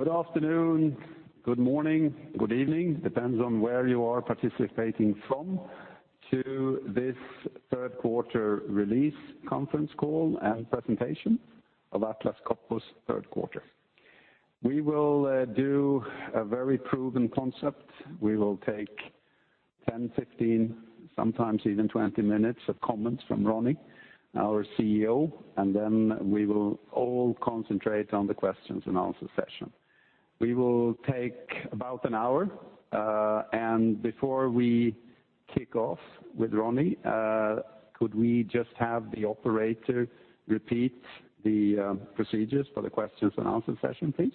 Good afternoon, good morning, good evening. Depends on where you are participating from, to this third quarter release conference call and presentation of Atlas Copco's third quarter. We will do a very proven concept. We will take 10, 15, sometimes even 20 minutes of comments from Ronnie, our CEO, then we will all concentrate on the questions and answer session. We will take about an hour. Before we kick off with Ronnie, could we just have the operator repeat the procedures for the questions and answer session, please?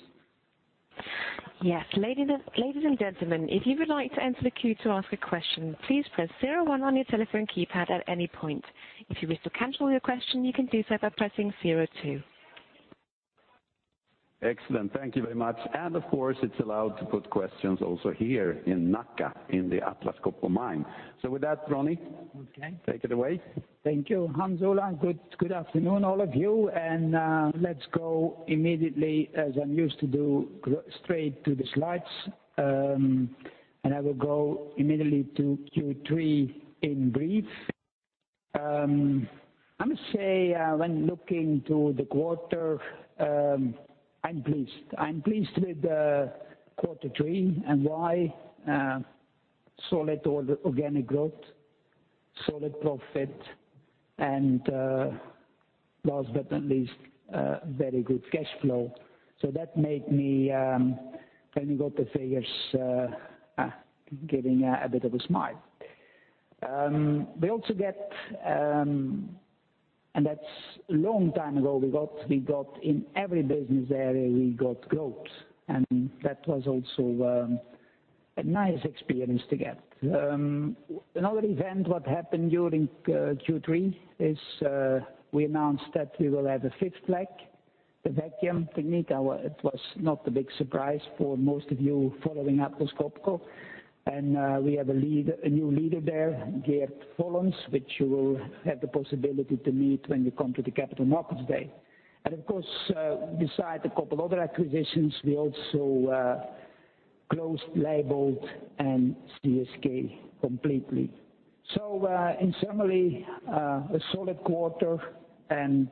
Yes. Ladies and gentlemen, if you would like to enter the queue to ask a question, please press zero one on your telephone keypad at any point. If you wish to cancel your question, you can do so by pressing zero two. Excellent. Thank you very much. Of course, it's allowed to put questions also here in Nacka, in the Atlas Copco mine. With that, Ronnie. Okay. Take it away. Thank you, Hans Ola. Good afternoon, all of you. Let's go immediately, as I'm used to do, straight to the slides. I will go immediately to Q3 in brief. I must say, when looking to the quarter, I'm pleased. I'm pleased with quarter three. Why? Solid order organic growth, solid profit, and last but not least, very good cash flow. That made me, when you got the figures, giving a bit of a smile. We also get, and that's a long time ago, in every business area, we got growth, and that was also a nice experience to get. Another event what happened during Q3 is, we announced that we will have a fifth leg, the Vacuum Technique. It was not a big surprise for most of you following Atlas Copco. We have a new leader there, Geert Follens, which you will have the possibility to meet when you come to the Capital Markets Day. Of course, beside a couple other acquisitions, we also closed Leybold and CSK completely. In summary, a solid quarter and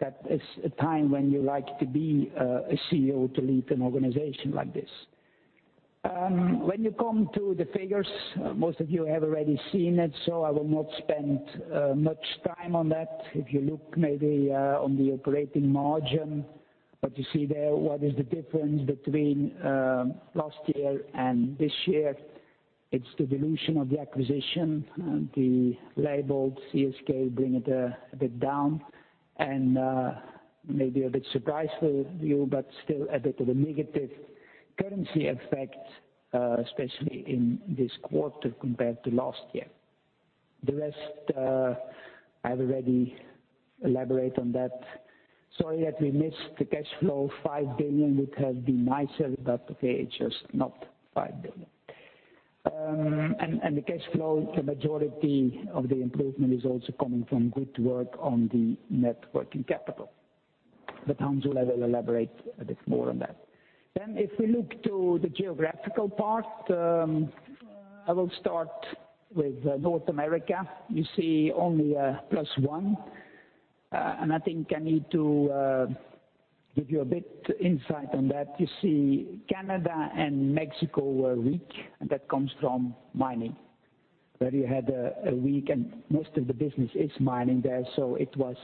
that is a time when you like to be a CEO to lead an organization like this. When you come to the figures, most of you have already seen it, so I will not spend much time on that. If you look maybe on the operating margin, what you see there, what is the difference between last year and this year, it's the dilution of the acquisition. The Leybold, CSK bring it a bit down, and maybe a bit surprise for you, but still a bit of a negative currency effect, especially in this quarter compared to last year. The rest, I've already elaborated on that. Sorry that we missed the cash flow. 5 billion would have been nicer, but okay, it's just not 5 billion. The cash flow, the majority of the improvement is also coming from good work on the net working capital. Hans Ola will elaborate a bit more on that. If we look to the geographical part, I will start with North America. You see only a +1%. I think I need to give you a bit insight on that. You see Canada and Mexico were weak, and that comes from mining, where you had a weak, and most of the business is mining there, so it was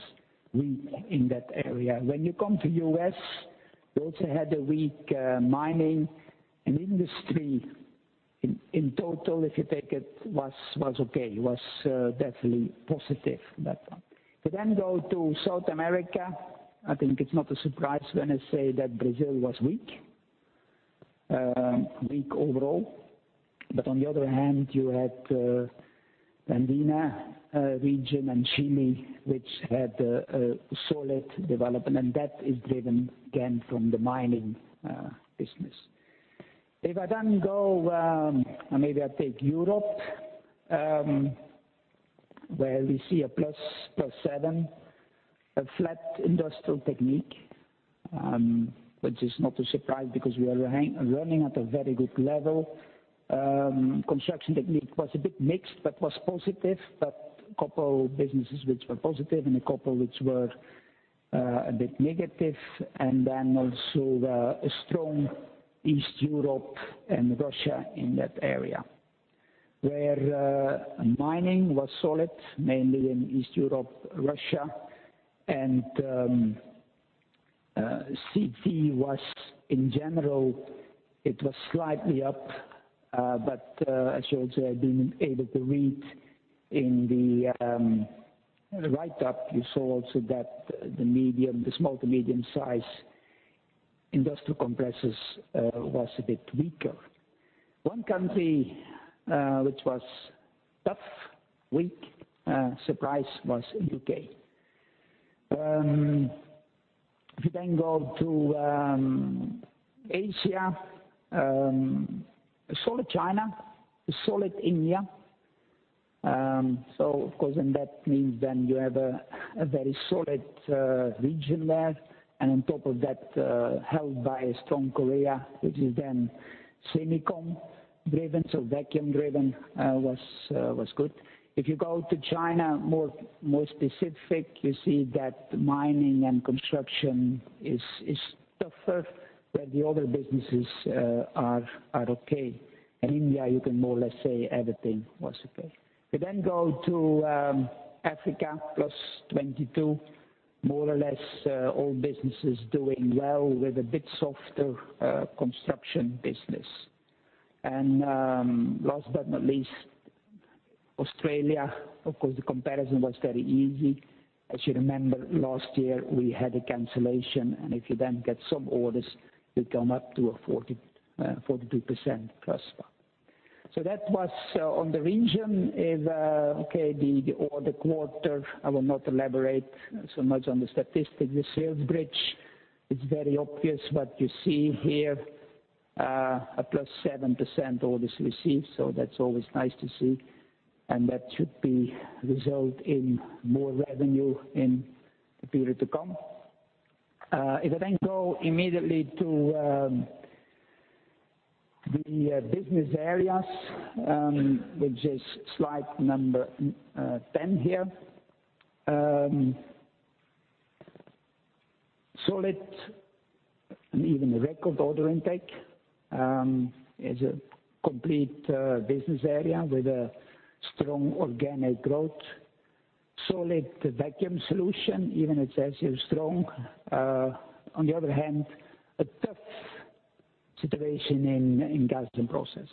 weak in that area. When you come to U.S., we also had a weak mining and industry. In total, if you take it, was okay. Was definitely positive, that one. We go to South America. I think it's not a surprise when I say that Brazil was weak. Weak overall. On the other hand, you had Andina region and Chile, which had a solid development, and that is driven again from the mining business. If I go, maybe I take Europe, where we see a +7%. A flat Industrial Technique, which is not a surprise because we are running at a very good level. Construction Technique was a bit mixed, but was positive. A couple businesses which were positive and a couple which were a bit negative. Also a strong East Europe and Russia in that area, where mining was solid, mainly in East Europe, Russia. CT was, in general, it was slightly up. As you also have been able to read in the write-up, you saw also that the small to medium-size industrial compressors was a bit weaker. One country which was tough, weak, surprise, was U.K. If you go to Asia. A solid China, a solid India. Of course, that means you have a very solid region there. On top of that, held by a strong Korea, which is then semicon driven. Vacuum driven was good. If you go to China, more specific, you see that mining and construction is tougher, where the other businesses are okay. In India, you can more or less say everything was okay. We go to Africa, +22. More or less all businesses doing well with a bit softer construction business. Last but not least, Australia. Of course, the comparison was very easy. As you remember, last year we had a cancellation, if you then get some orders, you come up to a +42%. That was on the region. The order quarter, I will not elaborate so much on the statistic. The sales bridge, it's very obvious what you see here, a +7% orders received. That's always nice to see, and that should result in more revenue in the period to come. If I go immediately to the business areas, which is slide number 10 here. Solid and even record order intake is a complete business area with a strong organic growth. Solid vacuum solution, even in Asia, strong. On the other hand, a tough situation in Gas and Process.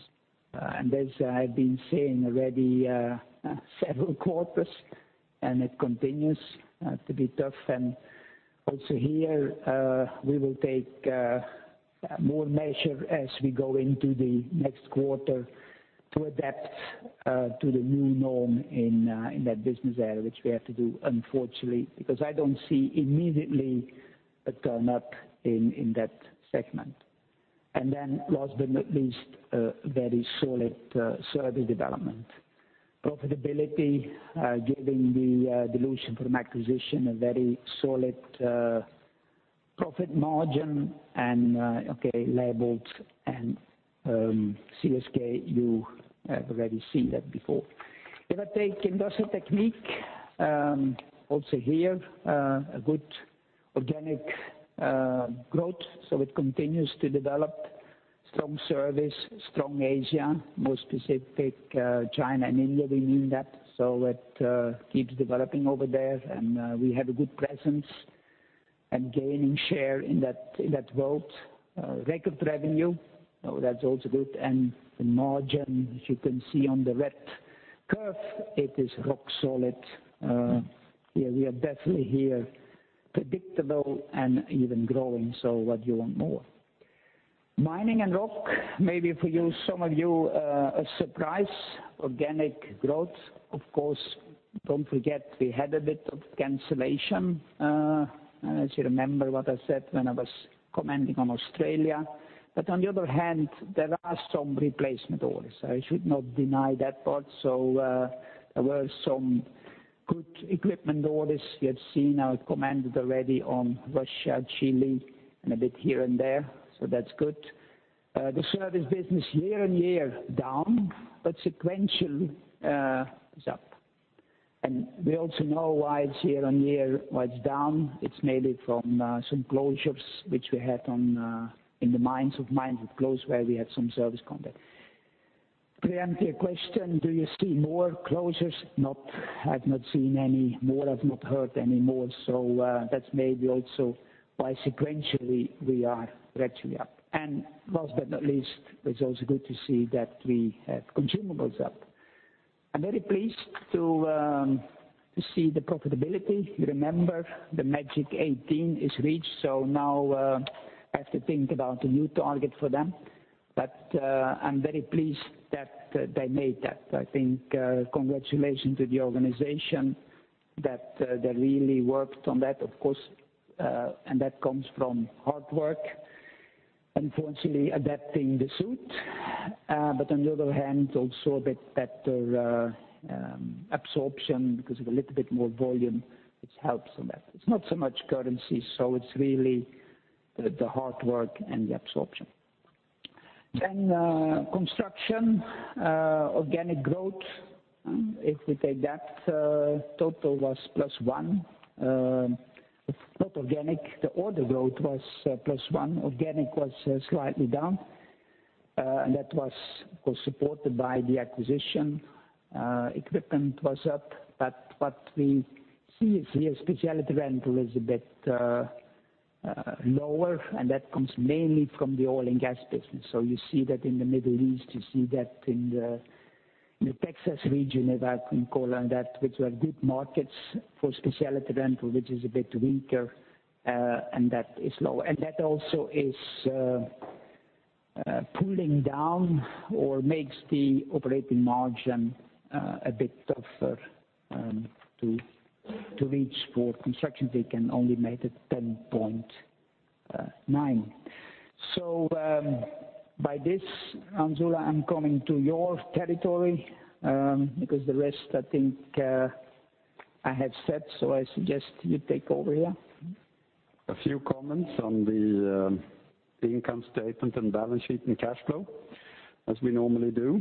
As I've been saying already several quarters, it continues to be tough, also here we will take more measure as we go into the next quarter to adapt to the new norm in that business area, which we have to do unfortunately, because I don't see immediately a turn up in that segment. Last but not least, a very solid service development. Profitability, given the dilution from acquisition, a very solid profit margin, Leybold and CSK, you have already seen that before. If I take Industrial Technique, also here a good organic growth. It continues to develop. Strong service, strong Asia, more specific China and India, we mean that. It keeps developing over there and we have a good presence and gaining share in that world. Record revenue, that's also good. The margin, as you can see on the red curve, it is rock solid. We are definitely here predictable and even growing. What you want more? Mining and Rock, maybe for some of you a surprise. Organic growth, of course, don't forget we had a bit of cancellation, as you remember what I said when I was commenting on Australia. On the other hand, there are some replacement orders. I should not deny that part. There were some good equipment orders you have seen. I commented already on Russia, Chile, and a bit here and there, that's good. The service business year-on-year down, but sequential is up. We also know why it's year-on-year, why it's down. It's mainly from some closures which we had in the mines, of mines that closed where we had some service contract. Preemptive question, do you see more closures? No, I've not seen any more. I've not heard any more. That's maybe also why sequentially we are gradually up. Last but not least, it's also good to see that we have consumables up. I'm very pleased to see the profitability. Remember, the magic 18 is reached, so now I have to think about a new target for them. I'm very pleased that they made that. I think congratulations to the organization that they really worked on that. Of course, that comes from hard work, unfortunately adapting the suit. On the other hand, also a bit better absorption because of a little bit more volume, which helps on that. It's not so much currency, so it's really the hard work and the absorption. Construction, organic growth. If we take that total was +1. Not organic. The order growth was +1. Organic was slightly down. That was supported by the acquisition. Equipment was up, but what we see is here specialty rental is a bit lower and that comes mainly from the oil and gas business. You see that in the Middle East. You see that in the Texas region, if I can call on that, which were good markets for specialty rental, which is a bit weaker, and that is low. That also is pulling down or makes the operating margin a bit tougher to reach for construction. They can only make it 10.89%. By this, Hans Ola, I'm coming to your territory, because the rest I think I have said, I suggest you take over here. A few comments on the income statement and balance sheet and cash flow, as we normally do.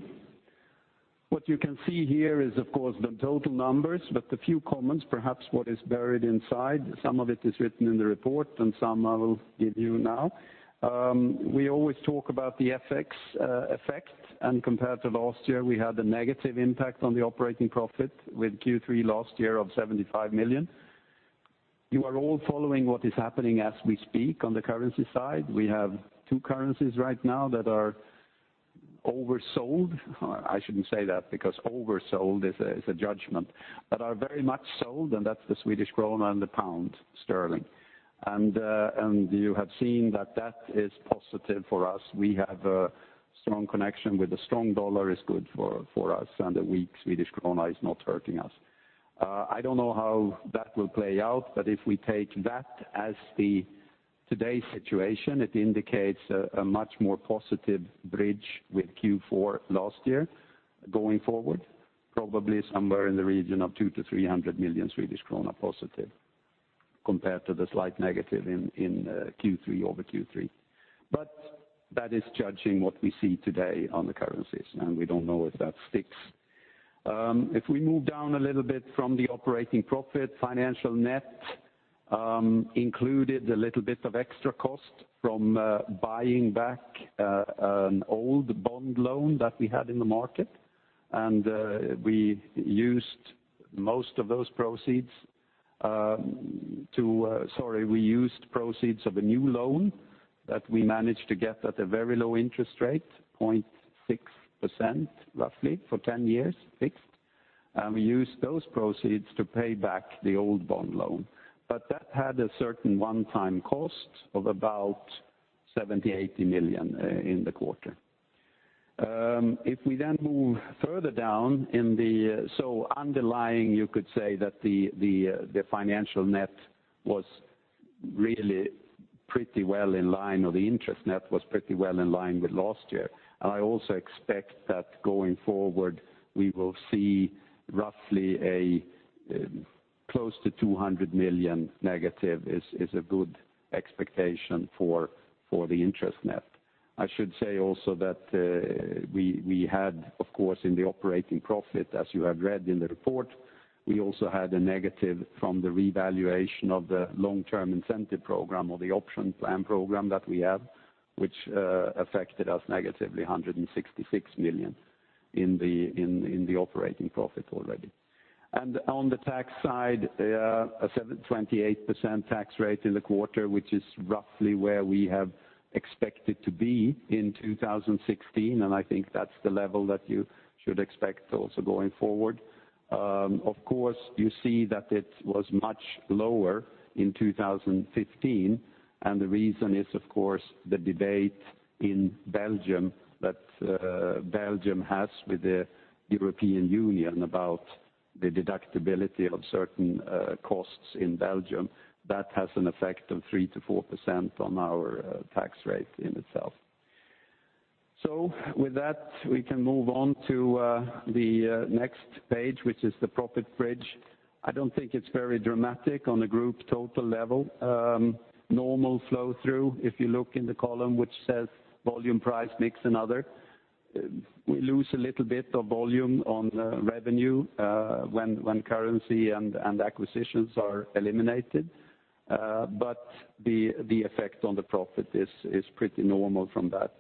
What you can see here is, of course, the total numbers, but the few comments, perhaps what is buried inside, some of it is written in the report and some I will give you now. We always talk about the FX effect. Compared to last year, we had a negative impact on the operating profit with Q3 last year of 75 million. You are all following what is happening as we speak on the currency side. We have two currencies right now that are oversold. I shouldn't say that because oversold is a judgment, but are very much sold, and that's the Swedish krona and the pound sterling. You have seen that that is positive for us. We have a strong connection with the strong dollar is good for us, and a weak Swedish krona is not hurting us. I don't know how that will play out, but if we take that as today's situation, it indicates a much more positive bridge with Q4 last year going forward, probably somewhere in the region of 200 million-300 million Swedish krona positive compared to the slight negative in Q3 over Q3. That is judging what we see today on the currencies, and we don't know if that sticks. If we move down a little bit from the operating profit, financial net included a little bit of extra cost from buying back an old bond loan that we had in the market, and we used most of those proceeds. Sorry, we used proceeds of a new loan that we managed to get at a very low interest rate, 0.6% roughly, for 10 years fixed. We used those proceeds to pay back the old bond loan. That had a certain one-time cost of about 70 million-80 million in the quarter. If we then move further down in the. Underlying, you could say that the financial net was really pretty well in line, or the interest net was pretty well in line with last year. I also expect that going forward, we will see roughly a close to 200 million negative is a good expectation for the interest net. I should say also that we had, of course, in the operating profit, as you have read in the report, we also had a negative from the revaluation of the long-term incentive program or the option plan program that we have, which affected us negatively 166 million in the operating profit already. On the tax side, a 28% tax rate in the quarter, which is roughly where we have expected to be in 2016, and I think that's the level that you should expect also going forward. Of course, you see that it was much lower in 2015. The reason is, of course, the debate in Belgium that Belgium has with the European Union about the deductibility of certain costs in Belgium. That has an effect of 3%-4% on our tax rate in itself. With that, we can move on to the next page, which is the profit bridge. I don't think it's very dramatic on the group total level. Normal flow-through, if you look in the column which says volume price, mix and other. We lose a little bit of volume on revenue when currency and acquisitions are eliminated. The effect on the profit is pretty normal from that.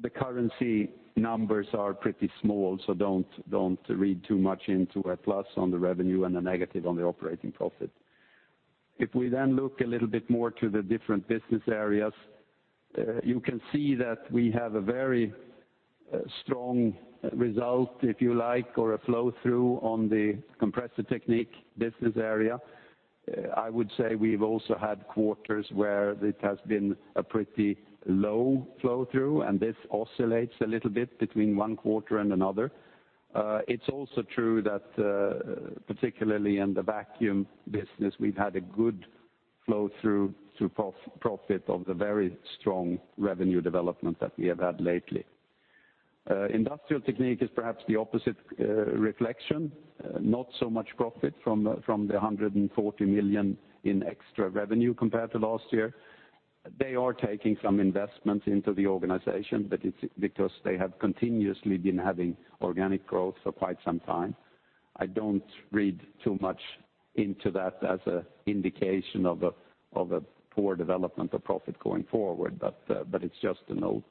The currency numbers are pretty small, so don't read too much into a plus on the revenue and a negative on the operating profit. If we then look a little bit more to the different business areas, you can see that we have a very strong result, if you like, or a flow-through on the Compressor Technique business area. I would say we've also had quarters where it has been a pretty low flow-through, and this oscillates a little bit between one quarter and another. It's also true that particularly in the vacuum business, we've had a good flow-through to profit of the very strong revenue development that we have had lately. Industrial Technique is perhaps the opposite reflection. Not so much profit from the 140 million in extra revenue compared to last year. They are taking some investments into the organization, but it's because they have continuously been having organic growth for quite some time. I don't read too much into that as an indication of a poor development of profit going forward, but it's just a note.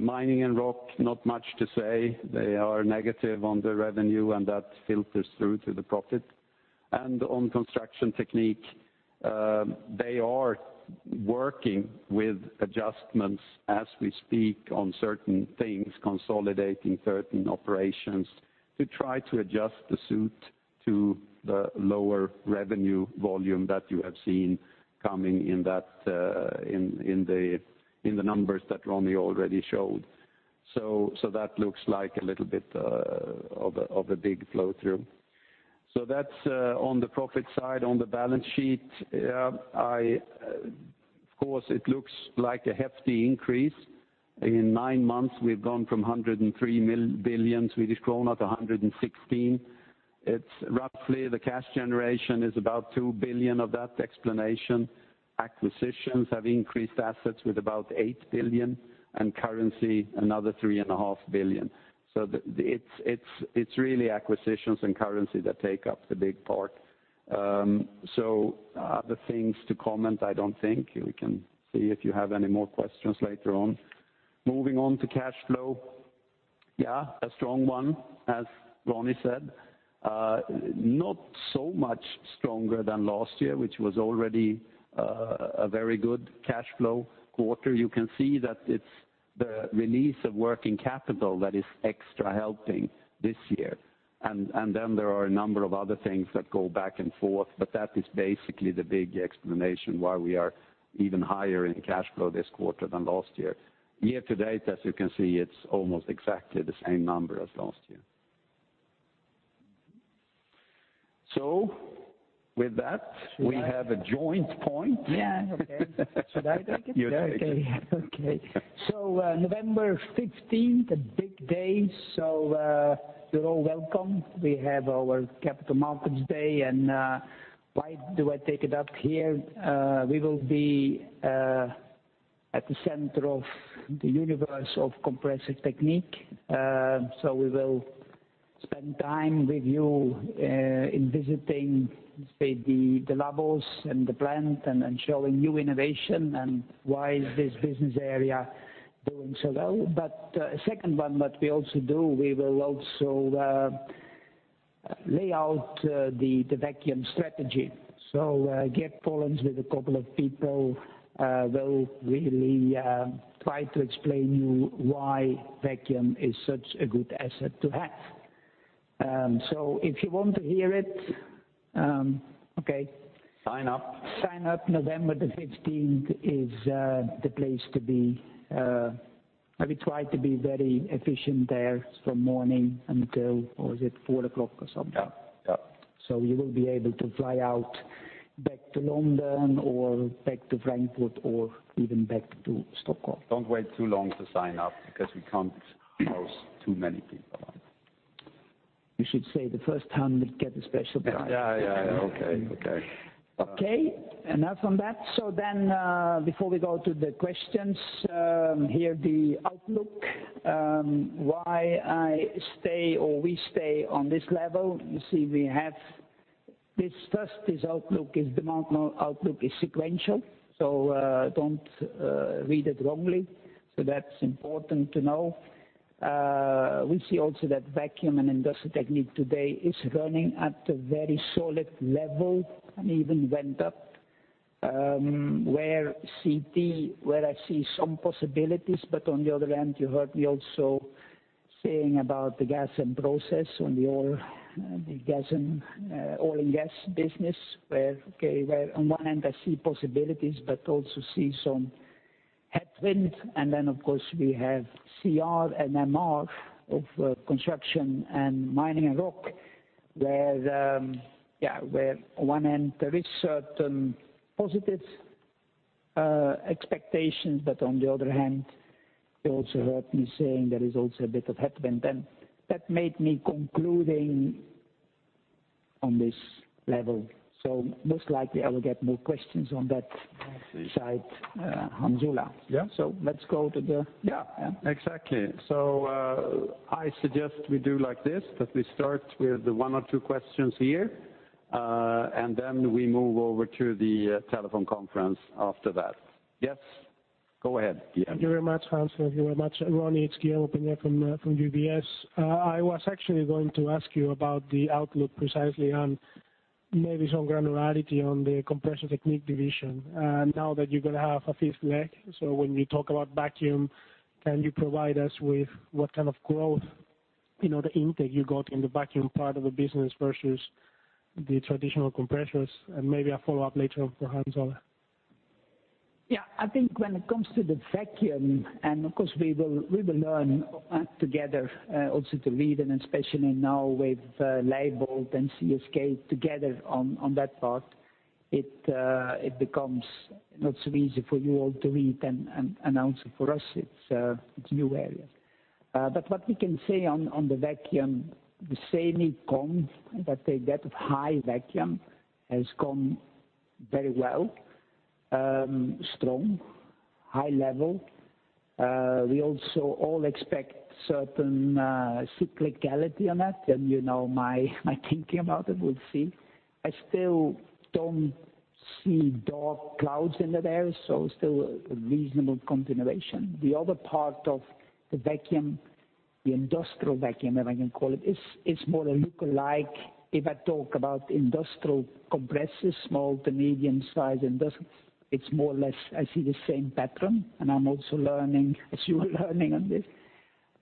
Mining and Rock. Not much to say. They are negative on the revenue, and that filters through to the profit. Construction Technique, they are working with adjustments as we speak on certain things, consolidating certain operations to try to adjust the suit to the lower revenue volume that you have seen coming in the numbers that Ronnie already showed. That looks like a little bit of a big flow-through. That's on the profit side. On the balance sheet, of course, it looks like a hefty increase. In nine months, we've gone from 103 billion Swedish krona to 116 billion. It's roughly the cash generation is about 2 billion of that explanation. Acquisitions have increased assets with about 8 billion and currency, another 3.5 billion. It's really acquisitions and currency that take up the big part. Other things to comment, I don't think. We can see if you have any more questions later on. Moving on to cash flow. A strong one, as Ronnie said. Not so much stronger than last year, which was already a very good cash flow quarter. You can see that it's the release of working capital that is extra helping this year. Then there are a number of other things that go back and forth, but that is basically the big explanation why we are even higher in cash flow this quarter than last year. Year to date, as you can see, it's almost exactly the same number as last year. With that, we have a joint point. Should I take it? You take it. Okay. November 15th, a big day. You're all welcome. We have our Capital Markets Day. Why do I take it up here? We will be at the center of the universe of Compressor Technique. We will spend time with you in visiting, say, the levels and the plant and then showing you innovation and why is this business area doing so well. Second one, what we also do, we will also lay out the vacuum strategy. Geert Follens with a couple of people will really try to explain you why vacuum is such a good asset to have. If you want to hear it, okay. Sign up. Sign up. November the 15th is the place to be. We try to be very efficient there from morning until, what was it, 4:00 P.M. or something? Yeah. You will be able to fly out back to London or back to Frankfurt or even back to Stockholm. Don't wait too long to sign up because we can't host too many people. You should say the first 100 get a special price. Yeah. Okay. Okay, enough on that. Before we go to the questions, here the outlook, why I stay, or we stay on this level. You see, we have this first, this outlook is the marginal outlook is sequential, don't read it wrongly. That's important to know. We see also that vacuum and Industrial Technique today is running at a very solid level, and even went up. Where CT, where I see some possibilities, but on the other hand, you heard me also saying about the Gas and Process on the oil and gas business, where okay, where on one hand I see possibilities but also see some headwind. Of course we have CR and MR of Construction and Mining and Rock, where one hand there is certain positive expectations, but on the other hand, you also heard me saying there is also a bit of headwind. That made me concluding on this level. Most likely I will get more questions on. I see side, Hans Ola. Yeah. Let's go to. Yeah, exactly. I suggest we do like this, that we start with the one or two questions here, and then we move over to the telephone conference after that. Yes. Go ahead, Guillaume. Thank you very much, Hans. Thank you very much, Ronnie. It's Guillaume Op den Kamp from UBS. I was actually going to ask you about the outlook precisely and maybe some granularity on the Compressor Technique division. Now that you're going to have a fifth leg, so when you talk about vacuum, can you provide us with what kind of growth, the intake you got in the vacuum part of the business versus the traditional compressors? And maybe a follow-up later for Hans Ola. Yeah. I think when it comes to the vacuum, and of course we will learn together, also to lead and especially now with Leybold and CSK together on that part. It becomes not so easy for you all to read and also for us, it's a new area. What we can say on the vacuum, the same it come that they get high vacuum has gone very well, strong, high level. We also all expect certain cyclicality on that. You know my thinking about it, we'll see. I still don't see dark clouds in that area, so still a reasonable continuation. The other part of the vacuum, the industrial vacuum, if I can call it, is more a lookalike. If I talk about industrial compressors, small to medium-size industrial, it's more or less I see the same pattern. I'm also learning as you are learning on this.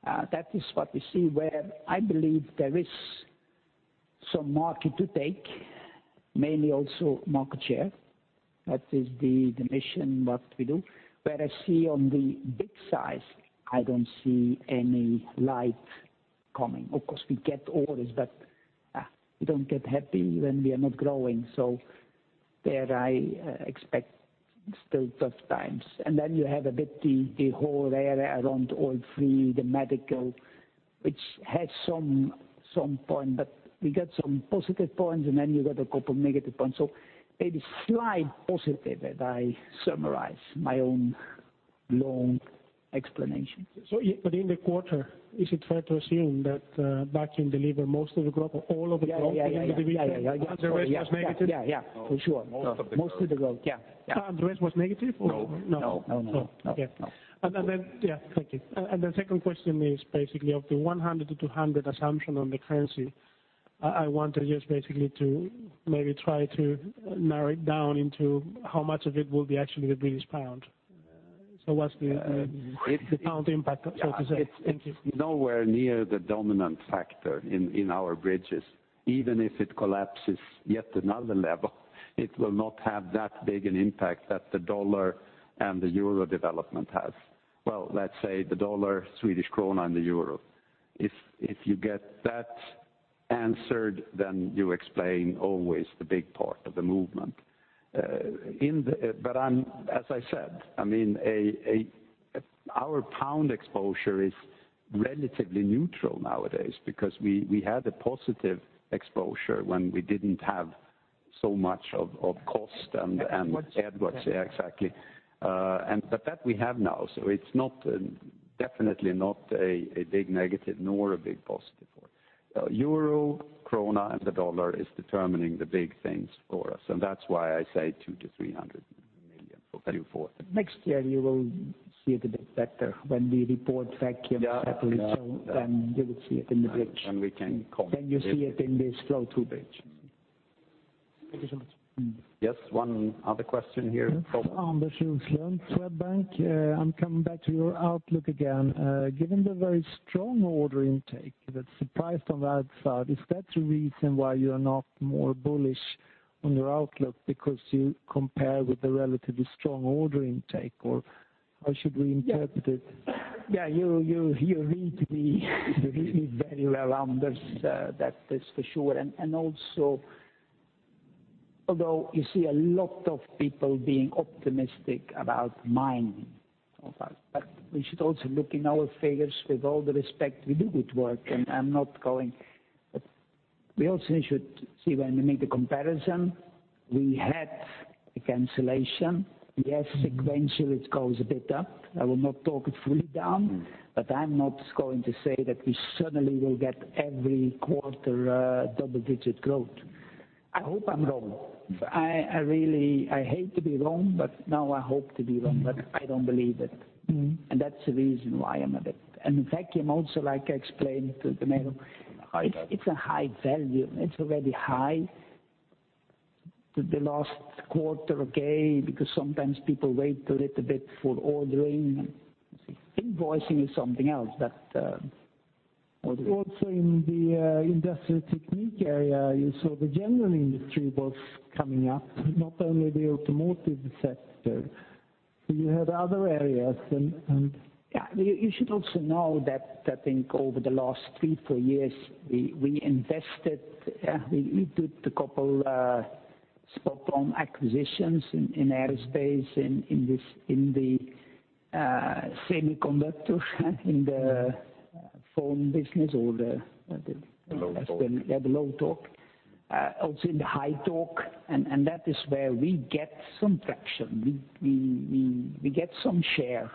That is what we see where I believe there is some market to take, mainly also market share. That is the mission, what we do. Where I see on the big size, I don't see any light coming. Of course, we get orders, but we don't get happy when we are not growing. There I expect still tough times. Then you have a bit the whole area around oil-free, the medical, which has some point, but we get some positive points and then you get a couple negative points. A slight positive, I summarize my own long explanation. In the quarter, is it fair to assume that vacuum deliver most of the growth or all of the growth at the end of the week? Yeah. The rest was negative? Yeah. For sure. Most of the growth. Mostly the growth, yeah. The rest was negative, or? No. No. Okay. Thank you. The second question is basically of the 100 million-200 million assumption on the currency, I wanted just basically to maybe try to narrow it down into how much of it will be actually the British pound. What's the pound impact, so to say? Thank you. It's nowhere near the dominant factor in our bridges. Even if it collapses yet another level, it will not have that big an impact that the dollar and the euro development has. Let's say the dollar, Swedish krona and the euro. If you get that answered, you explain always the big part of the movement. As I said, our pound exposure is relatively neutral nowadays because we had a positive exposure when we didn't have so much of cost. Headwinds, yeah. That we have now, so it's definitely not a big negative nor a big positive for it. EUR, SEK, and the USD is determining the big things for us, and that's why I say 200 million to 300 million for Q4. Next year you will see it a bit better when we report Vacuum separately. Yeah. You will see it in the bridge. We can comment. You see it in this flow through bridge. Thank you so much. Yes, one other question here. Anders Sjölund, Swedbank. I'm coming back to your outlook again. Given the very strong order intake that surprised on that side, is that the reason why you are not more bullish on your outlook? You compare with the relatively strong order intake, or how should we interpret it? Yeah. You read me very well, Anders, that is for sure. Also, although you see a lot of people being optimistic about mining, we should also look in our figures with all the respect, we do good work. We also should see when we make the comparison, we had a cancellation. Yes, sequential it goes a bit up. I will not talk it fully down, but I'm not going to say that we suddenly will get every quarter double-digit growth. I hope I'm wrong. I hate to be wrong, but now I hope to be wrong, but I don't believe it. That's the reason why. And Vacuum also, like I explained to Guillaume, it's a high value. It's already high. The last quarter, okay, because sometimes people wait a little bit for ordering. Also in the Industrial Technique area, you saw the general industry was coming up, not only the automotive sector. You should also know that I think over the last three, four years, we invested, we did a couple spot on acquisitions in aerospace and in the semiconductor, in the phone business or the Low torque. Yeah, the low torque. Also in the high torque, that is where we get some traction. We get some share.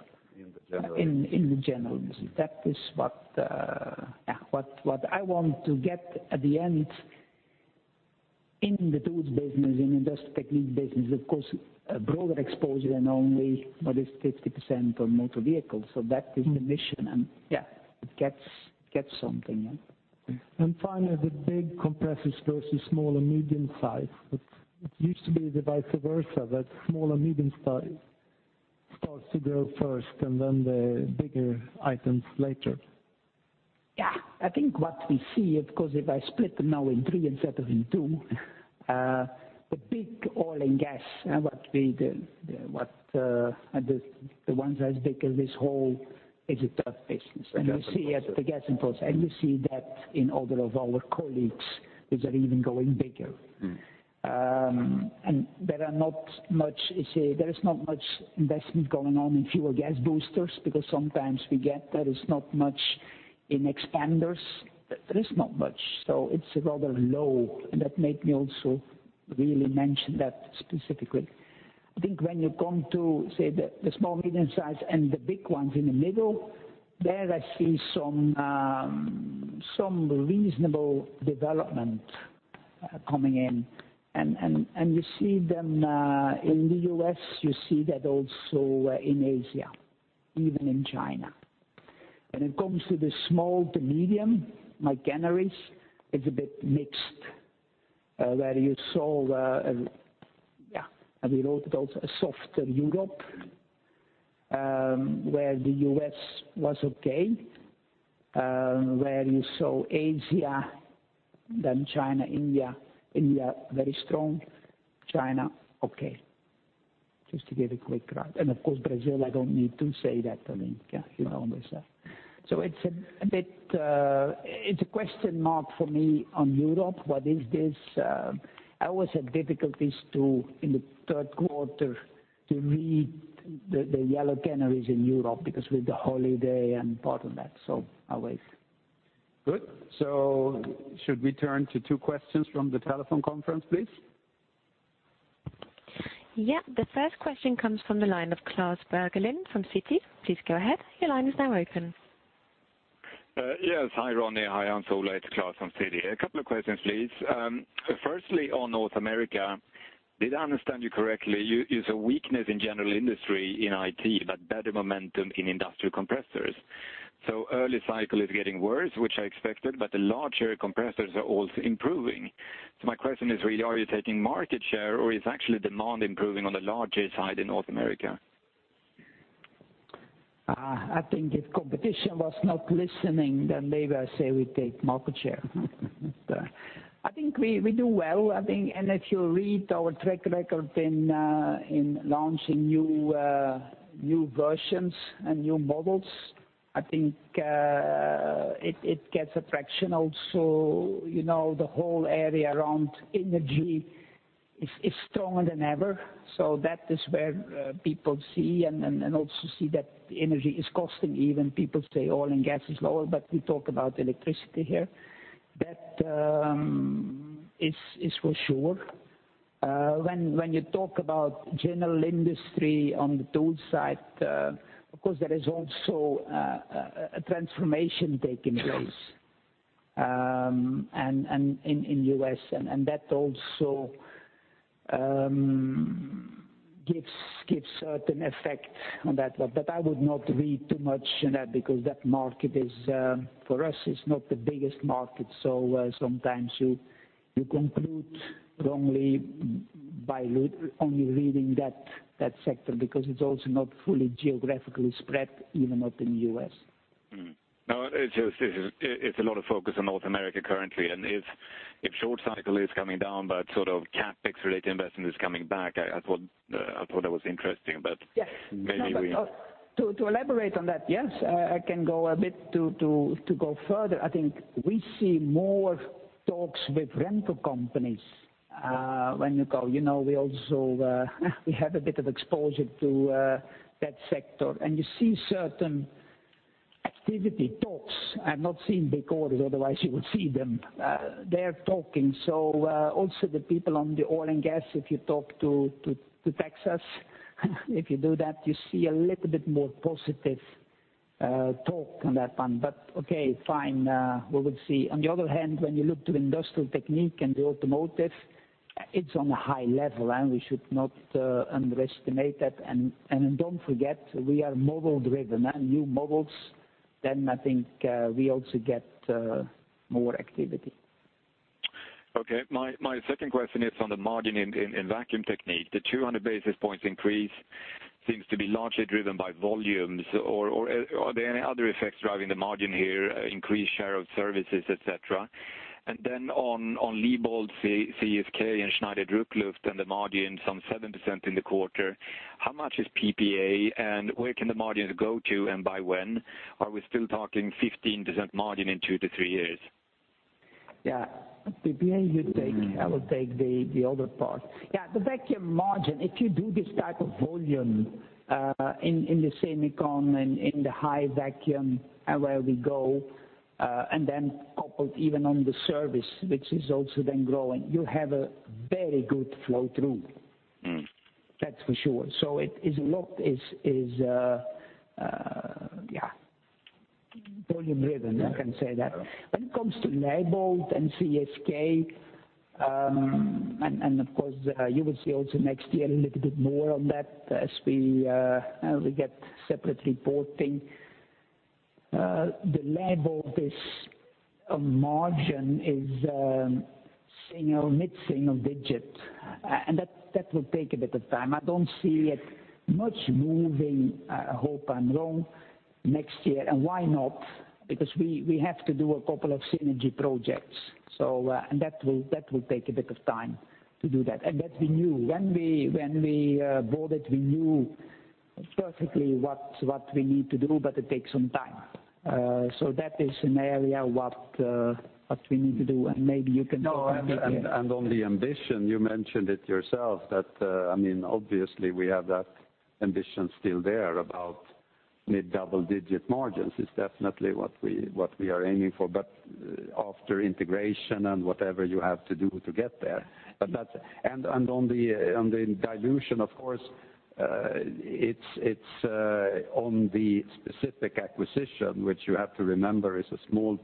In the general business in the general business. That is what I want to get at the end in the tools business, in Industrial Technique business, of course, broader exposure than only what is 50% on motor vehicles. That is the mission, and yeah, it gets something. Yeah. Finally, the big compressors versus small and medium size. It used to be the vice versa, that small and medium size starts to grow first, and then the bigger items later. Yeah. I think what we see, of course, if I split them now in three instead of in two, the big oil and gas and the ones that is bigger, this whole is a tough business. The Gas and Process. The Gas and Process. You see that in order of our colleagues, these are even going bigger. There is not much investment going on in fuel gas boosters because sometimes we get there is not much in expanders. There is not much, it's rather low, that made me also really mention that specifically. I think when you come to, say, the small, medium size and the big ones in the middle, there I see some reasonable development coming in. You see them in the U.S., you see that also in Asia, even in China. When it comes to the small to medium, my guess is a bit mixed, where we wrote it also, a softer Europe where the U.S. was okay, where you saw Asia, then China, India. India, very strong. China, okay. Just to give a quick run. Of course, Brazil, I don't need to say that. I mean, you know this. It's a question mark for me on Europe, what is this? I always have difficulties in the third quarter to read the yellow canaries in Europe because with the holiday and part of that, I'll wait. Good. Should we turn to two questions from the telephone conference, please? Yeah. The first question comes from the line of Klas Bergelind from Citi. Please go ahead. Your line is now open. Yes. Hi, Ronnie. Hi, Hans Ola. It's Klas from Citi. A couple of questions, please. Firstly, on North America, did I understand you correctly? You saw weakness in general industry in IT, but better momentum in industrial compressors. Early cycle is getting worse, which I expected, but the larger compressors are also improving. My question is really, are you taking market share or is actually demand improving on the larger side in North America? I think if competition was not listening, then maybe I say we take market share. I think we do well. If you read our track record in launching new versions and new models, I think it gets attraction also, the whole area around energy is stronger than ever. That is where people see, and also see that energy is costing even. People say oil and gas is lower, but we talk about electricity here. That is for sure. When you talk about general industry on the tool side, of course, there is also a transformation taking place in U.S., that also gives certain effect on that. I would not read too much in that because that market, for us, is not the biggest market. Sometimes you conclude wrongly by only reading that sector, because it's also not fully geographically spread, even not in the U.S. No, it's a lot of focus on North America currently, and if short cycle is coming down, but CapEx related investment is coming back, I thought that was interesting. Yes maybe we To elaborate on that, yes, I can go a bit to go further. I think we see more talks with rental companies when you go. We have a bit of exposure to that sector. You see certain activity talks. I've not seen big orders, otherwise you would see them. They're talking. Also the people on the oil and gas, if you talk to Texas, if you do that, you see a little bit more positive talk on that one. Okay, fine, we will see. On the other hand, when you look to Industrial Technique and the automotive, it's on a high level and we should not underestimate that. Don't forget, we are model driven and new models, I think we also get more activity. Okay. My second question is on the margin in Vacuum Technique. The 200 basis points increase seems to be largely driven by volumes, or are there any other effects driving the margin here, increased share of services, et cetera? Then on Leybold, CSK and Schneider Druckluft and the margin, some 7% in the quarter, how much is PPA and where can the margins go to and by when? Are we still talking 15% margin in two to three years? Yeah. PPA, you take. I will take the other part. Yeah. The vacuum margin, if you do this type of volume in the semicon and in the high vacuum and where we go, then coupled even on the service, which is also then growing, you have a very good flow through. That's for sure. It is volume driven, I can say that. When it comes to Leybold and CSK, of course you will see also next year a little bit more on that as we get separate reporting. The Leybold's margin is mid-single digit, that will take a bit of time. I don't see it much moving up and down next year. Why not? Because we have to do a couple of synergy projects. That will take a bit of time to do that, and that we knew. When we bought it, we knew perfectly what we need to do, but it takes some time. That is an area what we need to do, and maybe you can talk a bit there. No, on the ambition, you mentioned it yourself that, obviously we have that ambition still there about mid double digit margins. It's definitely what we are aiming for, but after integration and whatever you have to do to get there. On the dilution, of course, it's on the specific acquisition, which you have to remember is still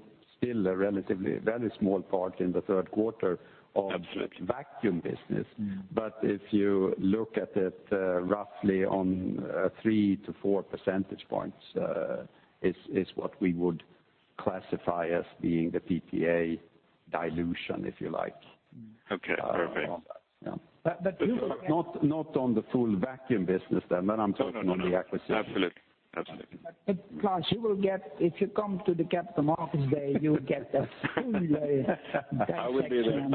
a relatively very small part in the third quarter of- Absolutely vacuum business. If you look at it, roughly on three to four percentage points is what we would classify as being the PPA dilution, if you like. Okay, perfect. Yeah. You will get- Not on the full vacuum business then. I am talking on the acquisition. Absolutely. Klas, if you come to the capital markets day, you will get a full dissection. I will be there.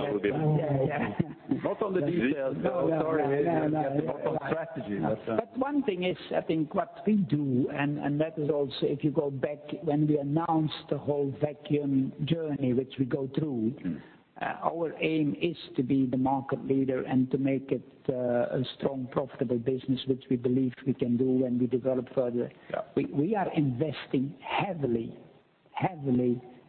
Not on the details, no, sorry. At the bottom strategy. One thing is, I think what we do, and that is also if you go back when we announced the whole vacuum journey, which we go through. Our aim is to be the market leader and to make it a strong profitable business, which we believe we can do when we develop further. Yeah. We are investing heavily,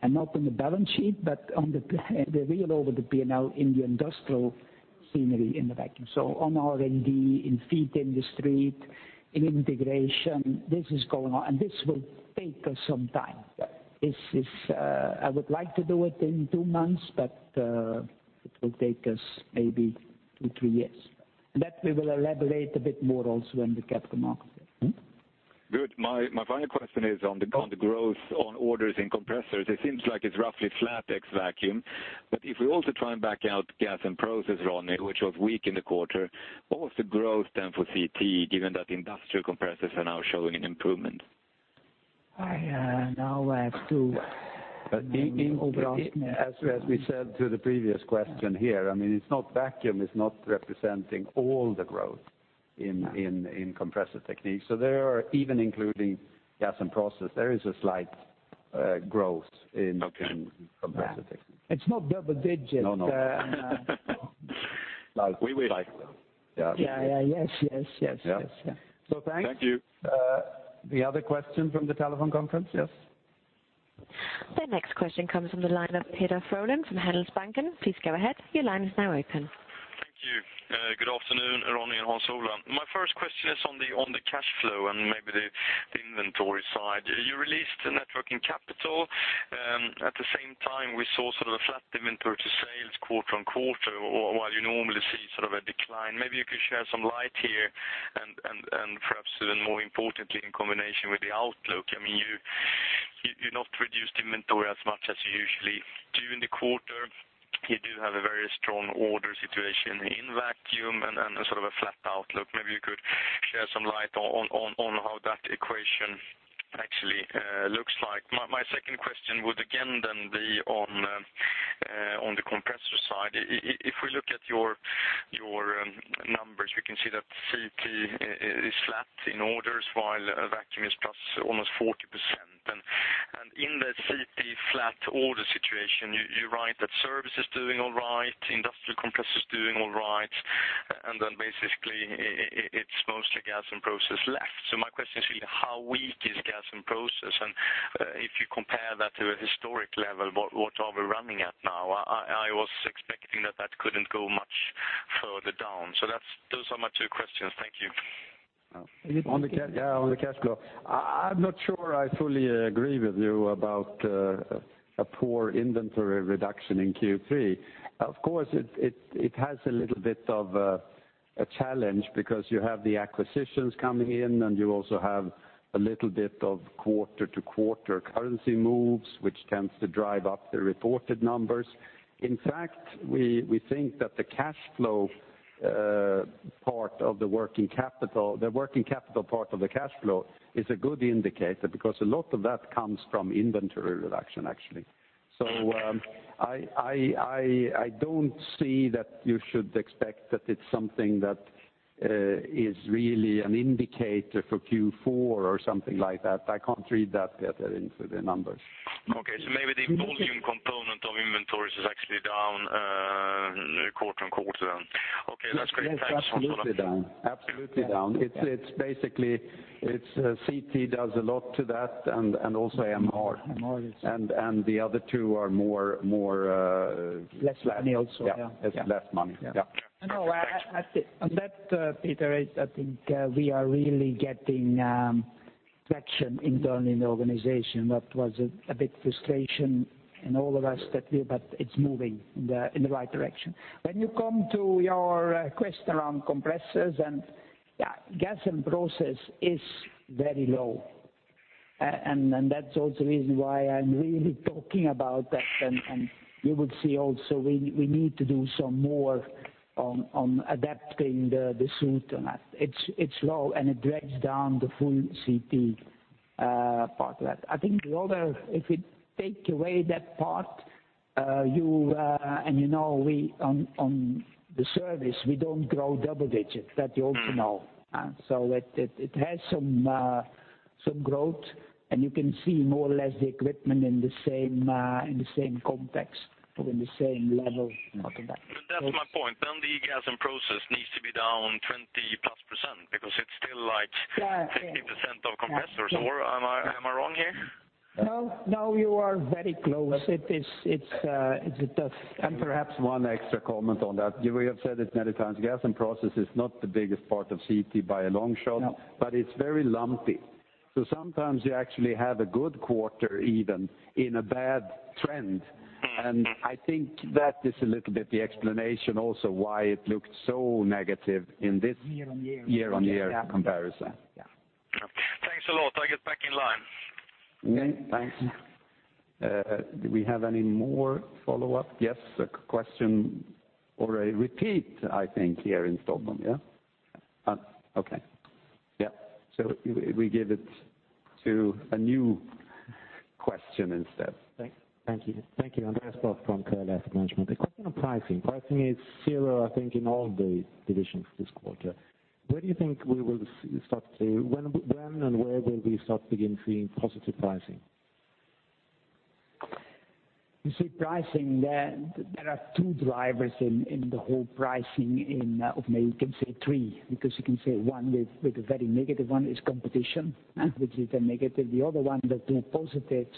and not on the balance sheet, but on the real over the P&L in the industrial scenery in the vacuum. On R&D, in [feed and straight], in integration, this is going on, and this will take us some time. Yeah. I would like to do it in two months, but it will take us maybe two, three years. That we will elaborate a bit more also in the Capital Markets Day. Good. My final question is on the growth on orders in compressors. It seems like it's roughly flat ex Vacuum, but if we also try and back out Gas and Process, Ronnie, which was weak in the quarter, what was the growth then for CT, given that industrial compressors are now showing an improvement? I have to As we said to the previous question here, Vacuum is not representing all the growth in Compressor Technique. Even including Gas and Process, there is a slight growth. Okay Compressor Technique. It's not double digits. No. We would like that. Yeah. Yes. Thanks. Thank you. The other question from the telephone conference, yes? The next question comes from the line of Peter Frölund from Handelsbanken. Please go ahead. Your line is now open. Thank you. Good afternoon, Ronnie and Hans Ola. My first question is on the cash flow and maybe the inventory side. You released the net working capital. At the same time, we saw sort of a flat inventory to sales quarter-on-quarter while you normally see sort of a decline. Maybe you could share some light here and perhaps even more importantly, in combination with the outlook, you're not reduced inventory as much as you usually do in the quarter. You do have a very strong order situation in vacuum and a sort of a flat outlook. Maybe you could share some light on how that equation actually looks like. My second question would again then be on the compressor side. If we look at your numbers, we can see that CT is flat in orders while vacuum is plus almost 40%. In the CT flat order situation, you're right that service is doing all right, industrial compressor is doing all right, then basically it's mostly Gas and Process left. My question is really how weak is Gas and Process? If you compare that to a historic level, what are we running at now? I was expecting that that couldn't go much further down. Those are my two questions. Thank you. On the cash flow. I'm not sure I fully agree with you about a poor inventory reduction in Q3. Of course, it has a little bit of a challenge because you have the acquisitions coming in, you also have a little bit of quarter-to-quarter currency moves, which tends to drive up the reported numbers. In fact, we think that the working capital part of the cash flow is a good indicator because a lot of that comes from inventory reduction, actually. I don't see that you should expect that it's something that is really an indicator for Q4 or something like that. I can't read that yet into the numbers. Okay. Maybe the volume component of inventories is actually down, quarter-on-quarter then. Okay, that's great. Thanks Hans Ola. Absolutely down. CT does a lot to that and also MR. MR The other two are Less money also, yeah. Yeah. Less money. Yeah. No, on that, Peter, I think we are really getting traction internal in the organization. That was a bit frustration in all of us, it's moving in the right direction. When you come to your question around compressors and Gas and Process is very low. That's also the reason why I'm really talking about that, and you would see also we need to do some more on adapting the suit on that. It's low, and it drags down the full CT part of that. I think the other, if we take away that part, and you know on the service, we don't grow double digits. That you also know. It has some growth, and you can see more or less the equipment in the same context or in the same level of that. That's my point. The Gas and Process needs to be down 20+% because it's still like 50% of compressors. Am I wrong here? No, you are very close. It does. Perhaps one extra comment on that. We have said it many times, Gas and Process is not the biggest part of CT by a long shot. No. It is very lumpy. Sometimes you actually have a good quarter even in a bad trend. I think that is a little bit the explanation also why it looked so negative. Year on year. year on year comparison. Thanks a lot. I get back in line. Okay, thanks. Do we have any more follow-up? Yes, a question or a repeat, I think here in Stockholm? Okay. Yeah. We give it to a new question instead. Thank you. Andreas Brock from Coeli Asset Management. A question on pricing. Pricing is zero, I think, in all the divisions this quarter. When and where will we start begin seeing positive pricing? You see pricing there are two drivers in the whole pricing. You can say three, because you can say one with a very negative one is competition, which is a negative. The other one that positives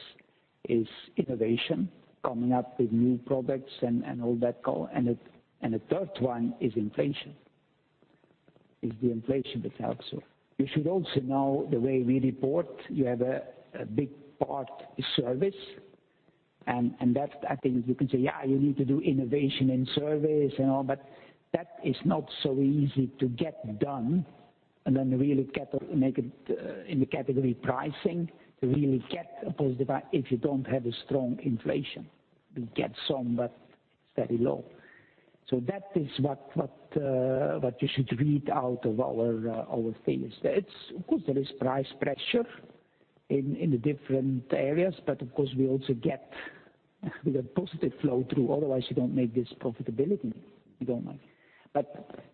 is innovation, coming up with new products and all that. The third one is inflation. It's the inflation that helps you. You should also know the way we report, you have a big part service. That I think you can say, yes, you need to do innovation in service and all, but that is not so easy to get done. Then really make it in the category pricing to really get a positive if you don't have a strong inflation. We get some, but it's very low. That is what you should read out of our things. Of course, there is price pressure in the different areas, but of course we also get with a positive flow through, otherwise you don't make this profitability. You don't make.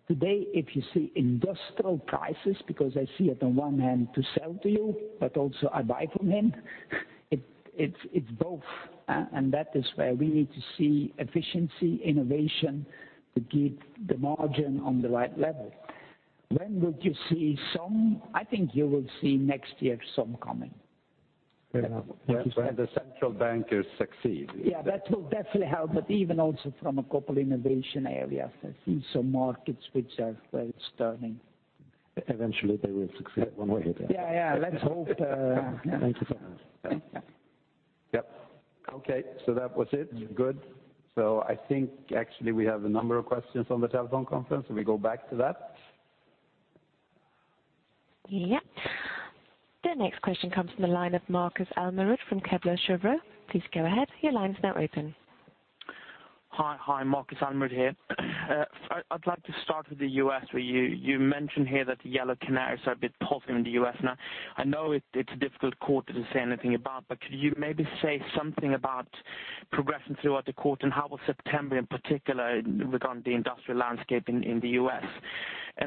Today, if you see industrial prices, because I see it on one hand to sell to you, but also I buy from him. It's both. That is where we need to see efficiency, innovation to keep the margin on the right level. When would you see some? I think you will see next year some coming. When the central bankers succeed. Yeah, that will definitely help. Even also from a couple innovation areas, I see some markets which are where it's turning. Eventually they will succeed one way or the other. Yeah. Let's hope. Thank you so much. Yep. Okay. That was it. Good. I think actually we have a number of questions on the telephone conference, we go back to that. Yep. The next question comes from the line of Markus Almerud from Kepler Cheuvreux. Please go ahead, your line's now open. Hi. Markus Almerud here. I'd like to start with the U.S. where you mentioned here that the yellow canaries are a bit positive in the U.S. now. I know it's a difficult quarter to say anything about, but could you maybe say something about progression throughout the quarter, and how was September in particular regarding the industrial landscape in the U.S.?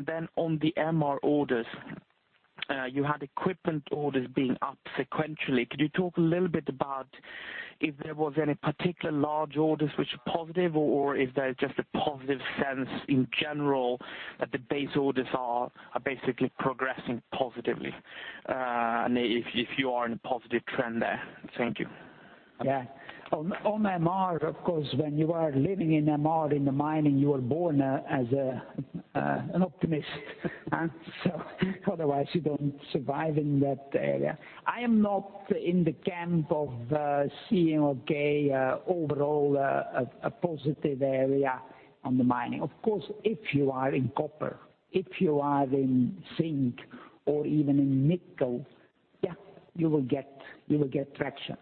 Then on the MR orders, you had equipment orders being up sequentially. Could you talk a little bit about if there was any particular large orders which are positive, or if there's just a positive sense in general that the base orders are basically progressing positively, if you are in a positive trend there? Thank you. Yeah. On MR, of course, when you are living in MR in the mining, you are born as an optimist. Otherwise you don't survive in that area. I am not in the camp of seeing, okay, overall a positive area on the mining. Of course, if you are in copper, if you are in zinc or even in nickel, yeah, you will get traction.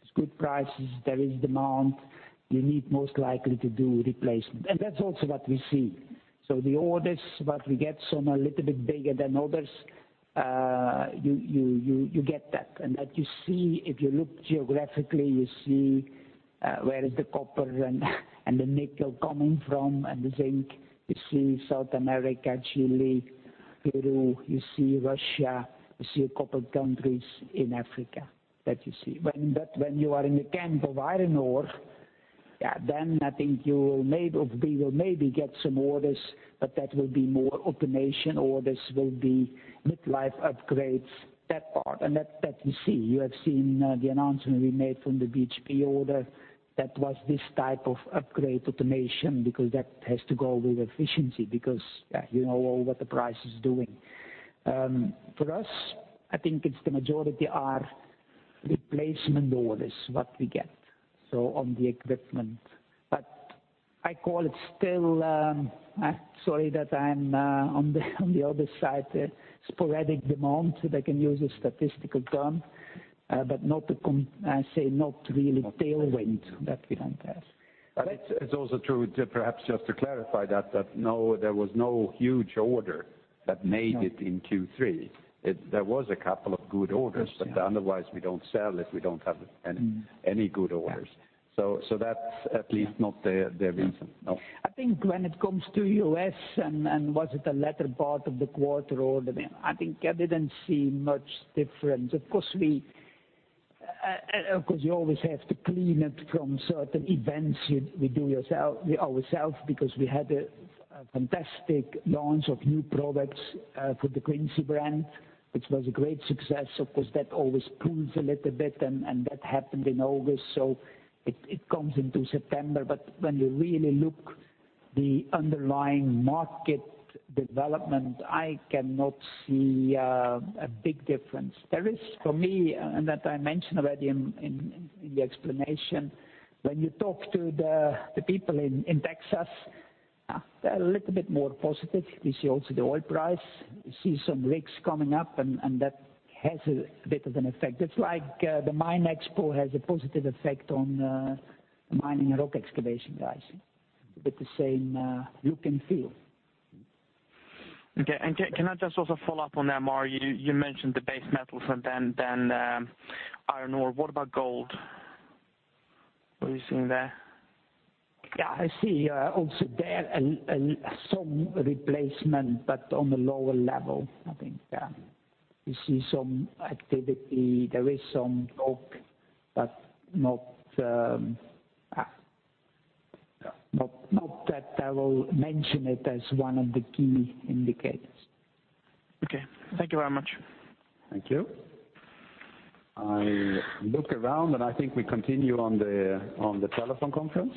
There's good prices, there is demand. You need most likely to do replacement. That is also what we see. The orders, what we get, some are a little bit bigger than others. You get that. That you see if you look geographically, you see where the copper and the nickel coming from, and the zinc. You see South America, Chile, Peru. You see Russia. You see a couple countries in Africa. That you see. When you are in the camp of iron ore, then I think we will maybe get some orders, but that will be more automation orders, will be mid-life upgrades, that part. That you see. You have seen the announcement we made from the BHP order that was this type of upgrade automation, because that has to go with efficiency, because you know all what the price is doing. For us, I think it's the majority are replacement orders, what we get. On the equipment. I call it still, sorry that I'm on the other side, sporadic demand, so they can use a statistical term, but I say not really tailwind that we don't have. It's also true to perhaps just to clarify that there was no huge order that made it in Q3. There was a couple of good orders, but otherwise we don't sell if we don't have any good orders. That's at least not the reason. No. I think when it comes to U.S. and was it the latter part of the quarter order, I think I didn't see much difference. Of course, you always have to clean it from certain events. We do ourselves because we had a fantastic launch of new products for the Quincy brand, which was a great success. Of course, that always pulls a little bit, and that happened in August. It comes into September. When you really look the underlying market development, I cannot see a big difference. There is for me, and that I mentioned already in the explanation, when you talk to the people in Texas, a little bit more positive. We see also the oil price. We see some rigs coming up, and that has a bit of an effect. It's like the MINExpo has a positive effect on mining and rock excavation guys. A bit the same look and feel. Okay. Can I just also follow up on that, Ronnie? You mentioned the base metals and then iron ore. What about gold? What are you seeing there? Yeah, I see also there some replacement, but on the lower level, I think. We see some activity. There is some hope, but not that I will mention it as one of the key indicators. Okay. Thank you very much. Thank you. I look around, I think we continue on the telephone conference.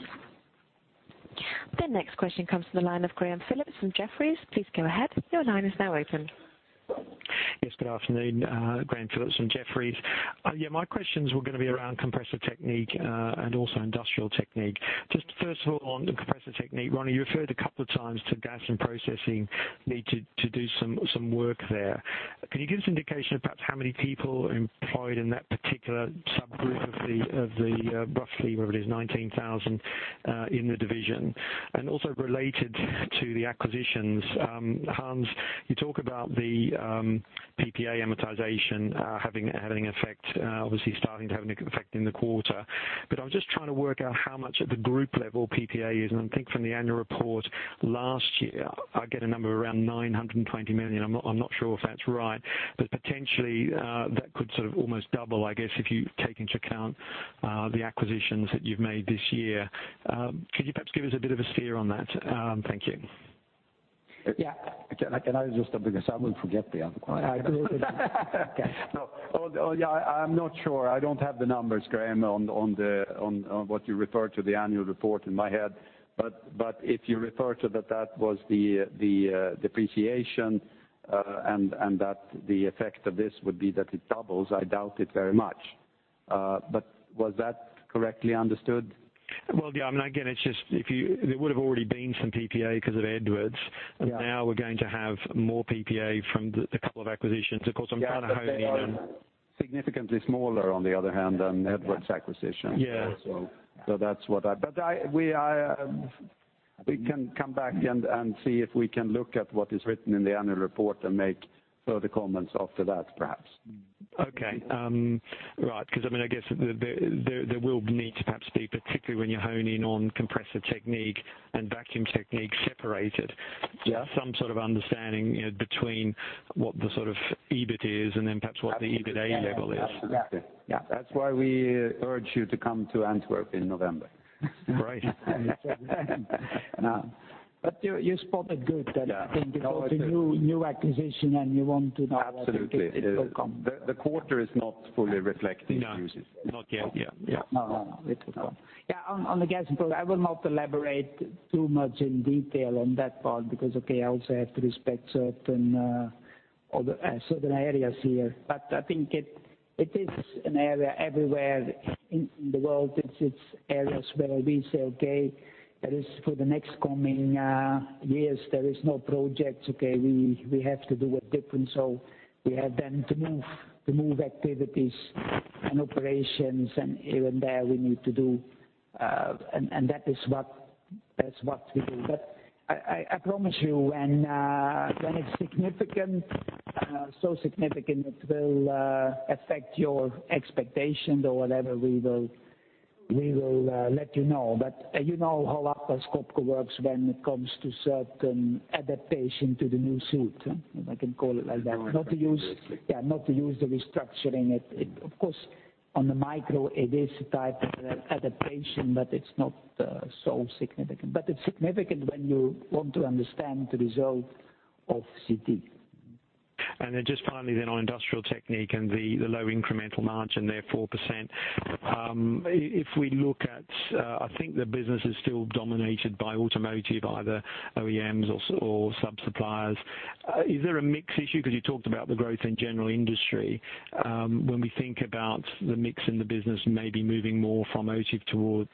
The next question comes from the line of Graham Phillips from Jefferies. Please go ahead. Your line is now open. Yes, good afternoon. Graham Phillips from Jefferies. My questions were going to be around Compressor Technique and also Industrial Technique. Just first of all, on the Compressor Technique, Ronnie, you referred a couple of times to Gas and Process need to do some work there. Can you give us an indication of perhaps how many people employed in that particular subgroup of the roughly, whatever it is, 19,000 in the division? Also related to the acquisitions, Hans, you talk about the PPA amortization having an effect, obviously starting to have an effect in the quarter. I was just trying to work out how much at the group level PPA is. I think from the annual report last year, I get a number around 920 million. I'm not sure if that's right, potentially that could sort of almost double, I guess, if you take into account the acquisitions that you've made this year. Could you perhaps give us a bit of a steer on that? Thank you. Can I just jump in, because I will forget the other one. I agree with you. I'm not sure. I don't have the numbers, Graham, on what you refer to the annual report in my head. If you refer to that was the depreciation and that the effect of this would be that it doubles, I doubt it very much. Was that correctly understood? Well, yeah. Again, there would have already been some PPA because of Edwards. Yeah. Now we're going to have more PPA from the couple of acquisitions. Of course, I'm trying to hone in on. Significantly smaller, on the other hand, than Edwards acquisition also. Yeah. We can come back and see if we can look at what is written in the annual report and make further comments after that, perhaps. Okay. Right. I guess there will need to perhaps be, particularly when you hone in on Compressor Technique and Vacuum Technique separated. Yeah. Some sort of understanding between what the EBIT is and then perhaps what the EBITDA level is. Absolutely. Yeah. That's why we urge you to come to Antwerp in November. Right. You spotted good that I think because a new acquisition and you want to know what it will become. Absolutely. The quarter is not fully reflecting [uses]. No, not yet. Yeah. No. No. It will come. On the gas input, I will not elaborate too much in detail on that part because, okay, I also have to respect certain areas here. I think it is an area everywhere in the world. It's areas where we say, okay, at least for the next coming years, there is no project. We have to do it different. We have to move activities and operations and even there we need to do. That is what we do. I promise you when it's significant, so significant it will affect your expectations or whatever, we will let you know. You know how Atlas Copco works when it comes to certain adaptation to the new suit, if I can call it like that. No, exactly. Not to use the restructuring. Of course, on the micro, it is a type of adaptation, but it's not so significant. It's significant when you want to understand the result of CT. Just finally then on Industrial Technique and the low incremental margin, their 4%. If we look at, I think the business is still dominated by automotive, either OEMs or sub-suppliers. Is there a mix issue? You talked about the growth in general industry. We think about the mix in the business maybe moving more from motive to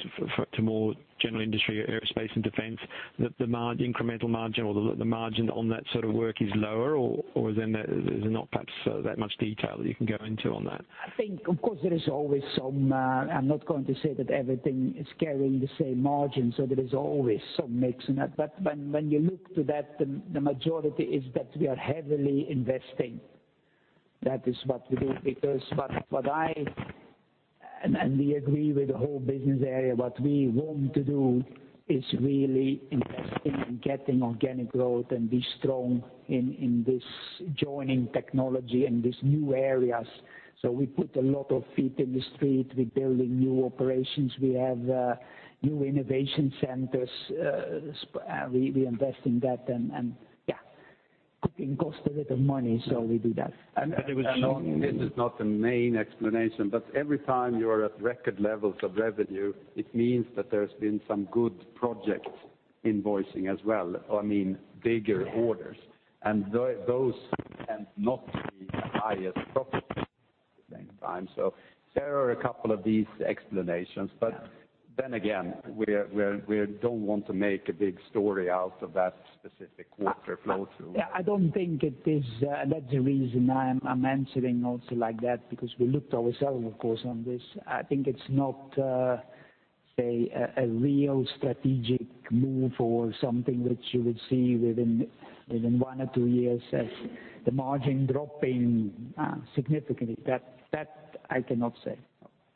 more general industry, aerospace and defense, the incremental margin or the margin on that sort of work is lower, or is there not perhaps that much detail that you can go into on that? I think, of course, there is always some. I'm not going to say that everything is carrying the same margin, there is always some mix in that. When you look to that, the majority is that we are heavily investing. That is what we do. What I, and we agree with the whole business area, what we want to do is really invest in getting organic growth and be strong in this joining technology and these new areas. We put a lot of feet in the street. We're building new operations. We have new innovation centers. We invest in that, cooking costs a little money, we do that. This is not the main explanation, every time you are at record levels of revenue, it means that there's been some good project invoicing as well, or I mean bigger orders. Yes. Those tend not to be the highest profit. Same time. There are a couple of these explanations, then again, we don't want to make a big story out of that specific quarter flow through. I don't think that's the reason I'm answering also like that, because we looked ourselves, of course, on this. I think it's not a real strategic move or something which you would see within one or two years as the margin dropping significantly. That I cannot say,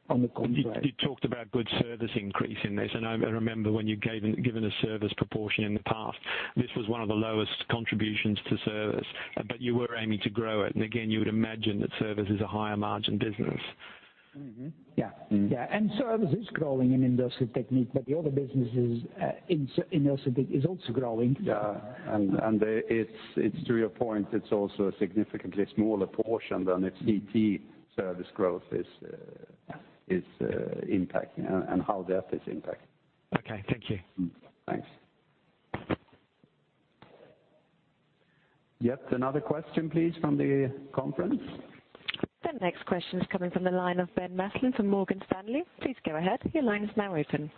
on the contrary. You talked about good service increase in this, I remember when you'd given a service proportion in the past, this was one of the lowest contributions to service, you were aiming to grow it. Again, you would imagine that service is a higher margin business. Service is growing in Industrial Technique, the other businesses in Industrial Technique is also growing. To your point, it's also a significantly smaller portion than CT service growth is impacting and how that is impacting. Okay, thank you. Thanks. Yet another question, please, from the conference. The next question is coming from the line of Ben Maslen from Morgan Stanley. Please go ahead. Your line is now open.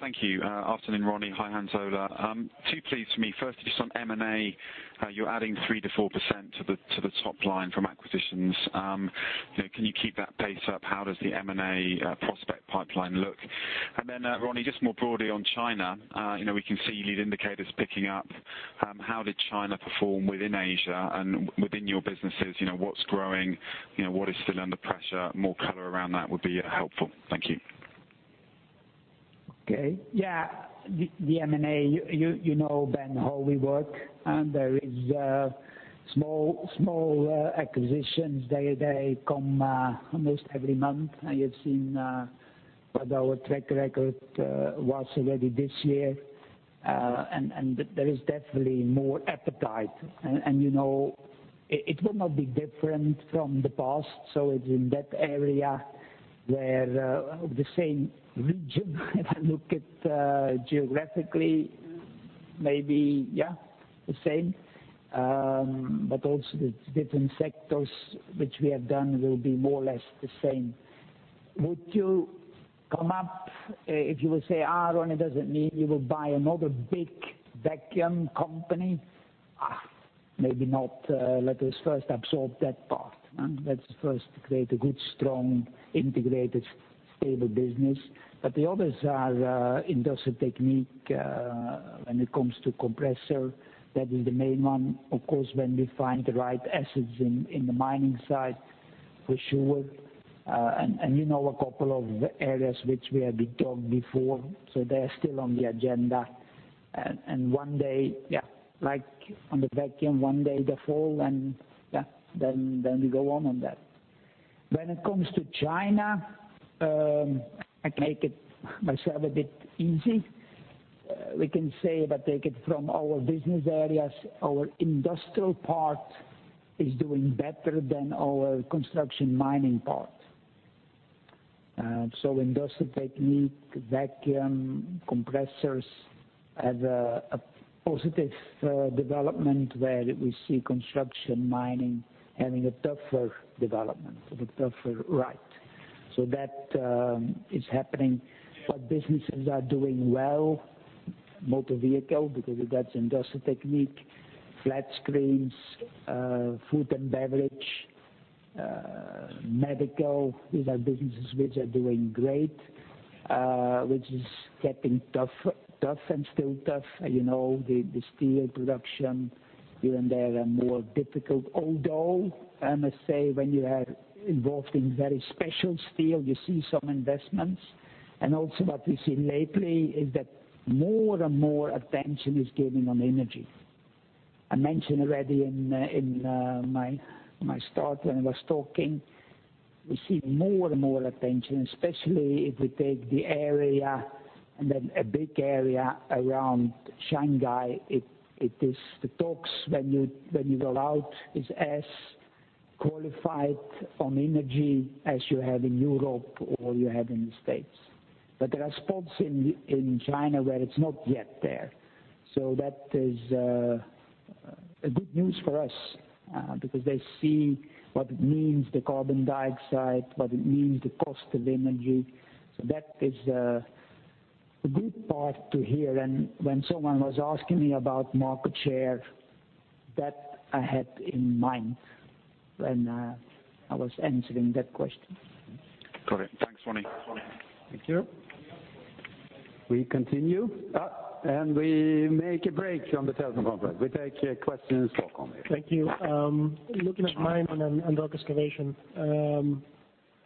Thank you. Afternoon, Ronnie. Hi, Hans Ola. Two, please, for me. First, just on M&A, you are adding 3% to 4% to the top line from acquisitions. Can you keep that pace up? How does the M&A prospect pipeline look? Ronnie, just more broadly on China. We can see lead indicators picking up. How did China perform within Asia and within your businesses, what is growing, what is still under pressure? More color around that would be helpful. Thank you. Okay. Yeah. The M&A, you know, Ben, how we work, there is small acquisitions. They come almost every month. You have seen what our track record was already this year. There is definitely more appetite, and it will not be different from the past. It's in that area where the same region if I look at geographically, maybe yeah, the same. Also the different sectors which we have done will be more or less the same. Would you come up if you will say, "Ronnie, does it mean you will buy another big Vacuum company?" Maybe not. Let us first absorb that part, and let's first create a good, strong, integrated, stable business. The others are Industrial Technique, when it comes to compressor, that is the main one. Of course, when we find the right assets in the mining side, for sure. You know a couple of areas which we have been talked before. They're still on the agenda. One day, like on the Vacuum, one day they fall, then we go on on that. When it comes to China, I make it myself a bit easy. We can say, take it from our business areas, our industrial part is doing better than our construction mining part. Industrial Technique, Vacuum, Compressors have a positive development where we see construction, mining having a tougher development, a tougher ride. That is happening. What businesses are doing well, motor vehicle, because that's Industrial Technique, flat screens, food and beverage, medical. These are businesses which are doing great, which is getting tough and still tough. The steel production here and there are more difficult, although I must say when you are involved in very special steel, you see some investments. Also what we see lately is that more and more attention is giving on energy. I mentioned already in my start when I was talking, we see more and more attention, especially if we take the area, a big area around Shanghai. It is the talks when you go out is as qualified on energy as you have in Europe or you have in the U.S. There are spots in China where it's not yet there. That is a good news for us, because they see what it means, the carbon dioxide, what it means, the cost of energy. That is a good part to hear. When someone was asking me about market share, that I had in mind when I was answering that question. Got it. Thanks, Ronnie. Thank you. We continue. We make a break on the telephone conference. We take questions for Ronnie. Thank you. Looking at Mining and Rock Excavation,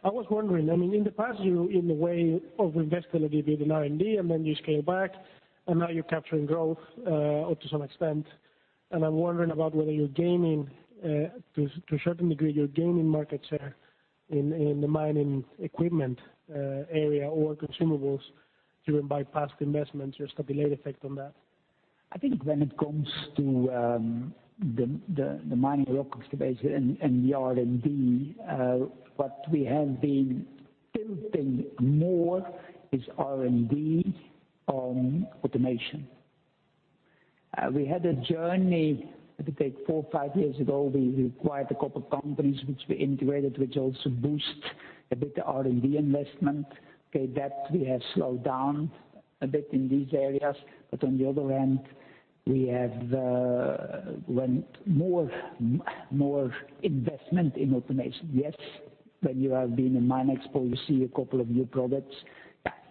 I was wondering, in the past you, in the way of investing a little bit in R&D, then you scale back, now you're capturing growth, up to some extent. I'm wondering about whether you're gaining, to a certain degree, you're gaining market share in the mining equipment area or consumables driven by past investments. There's got to be late effect on that. I think when it comes to the Mining and Rock Excavation and the R&D, what we have been building more is R&D on automation. We had a journey, if you take four or five years ago, we acquired a couple companies which we integrated, which also boost a bit the R&D investment. Okay, that we have slowed down a bit in these areas. But on the other hand, we have more investment in automation. Yes, when you have been in MINExpo, you see a couple of new products.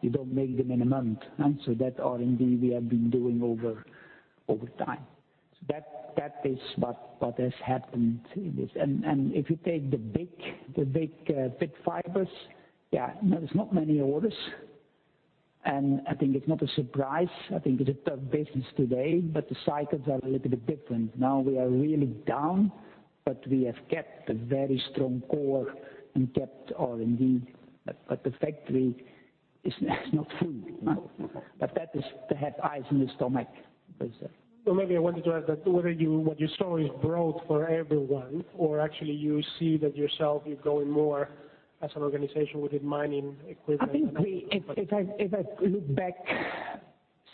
You don't make them in a month. That R&D we have been doing over time. That is what has happened in this. If you take the big fleet orders, there's not many orders. I think it's not a surprise, I think it's a tough business today, but the cycles are a little bit different. We are really down, we have kept a very strong core and kept R&D. The factory is not full. That is to have eyes in the stomach, per se. Maybe I wanted to ask that whether what you saw is broad for everyone or actually you see that yourself, you're going more as an organization within mining equipment. I think if I look back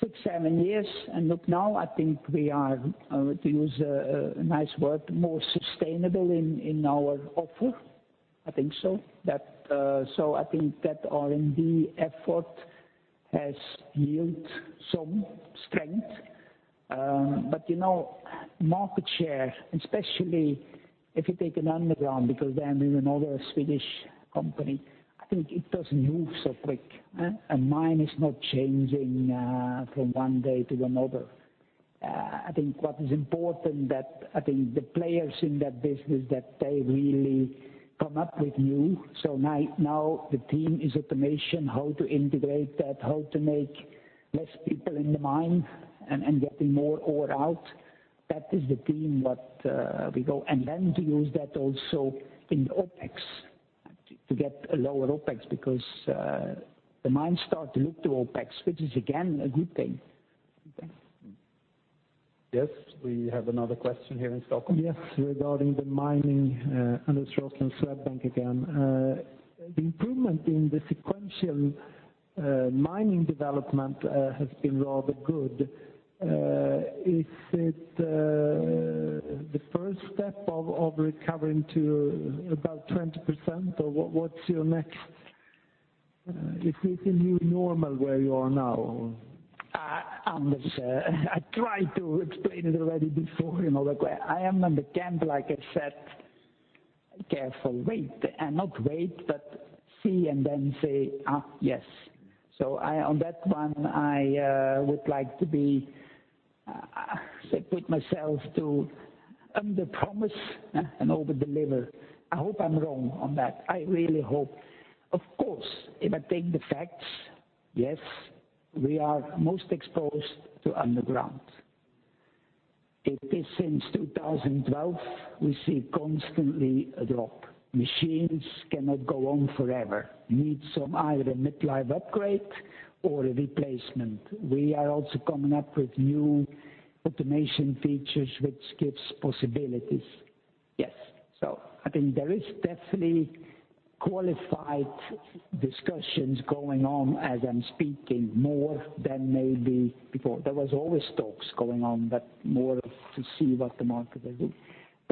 six, seven years and look now, I think we are, to use a nice word, more sustainable in our offer. I think so. I think that R&D effort has yielded some strength. Market share, especially if you take an underground, because then we're another Swedish company, I think it doesn't move so quick. A mine is not changing from one day to another. I think what is important that the players in that business, that they really come up with new. Right now the theme is automation, how to integrate that, how to make less people in the mine and getting more ore out. That is the theme, what we go. To use that also in the OpEx, to get a lower OpEx because the mines start to look to OpEx, which is again, a good thing. Yes. We have another question here in Stockholm. Yes, regarding the mining. Anders Roslund, Swedbank again. The improvement in the sequential mining development has been rather good. Is it the first step of recovering to about 20%, or what's your next Is it a new normal where you are now? Anders, I tried to explain it already before. I am in the camp, like I said, careful wait. Not wait, but see and then say, "yes." On that one, I would like to put myself to underpromise and overdeliver. I hope I'm wrong on that. I really hope. Of course, if I take the facts, yes, we are most exposed to underground. It is since 2012, we see constantly a drop. Machines cannot go on forever, need some either a mid-life upgrade or a replacement. We are also coming up with new automation features, which gives possibilities. Yes. I think there is definitely qualified discussions going on as I'm speaking, more than maybe before. There was always talks going on, but more of to see what the market will do.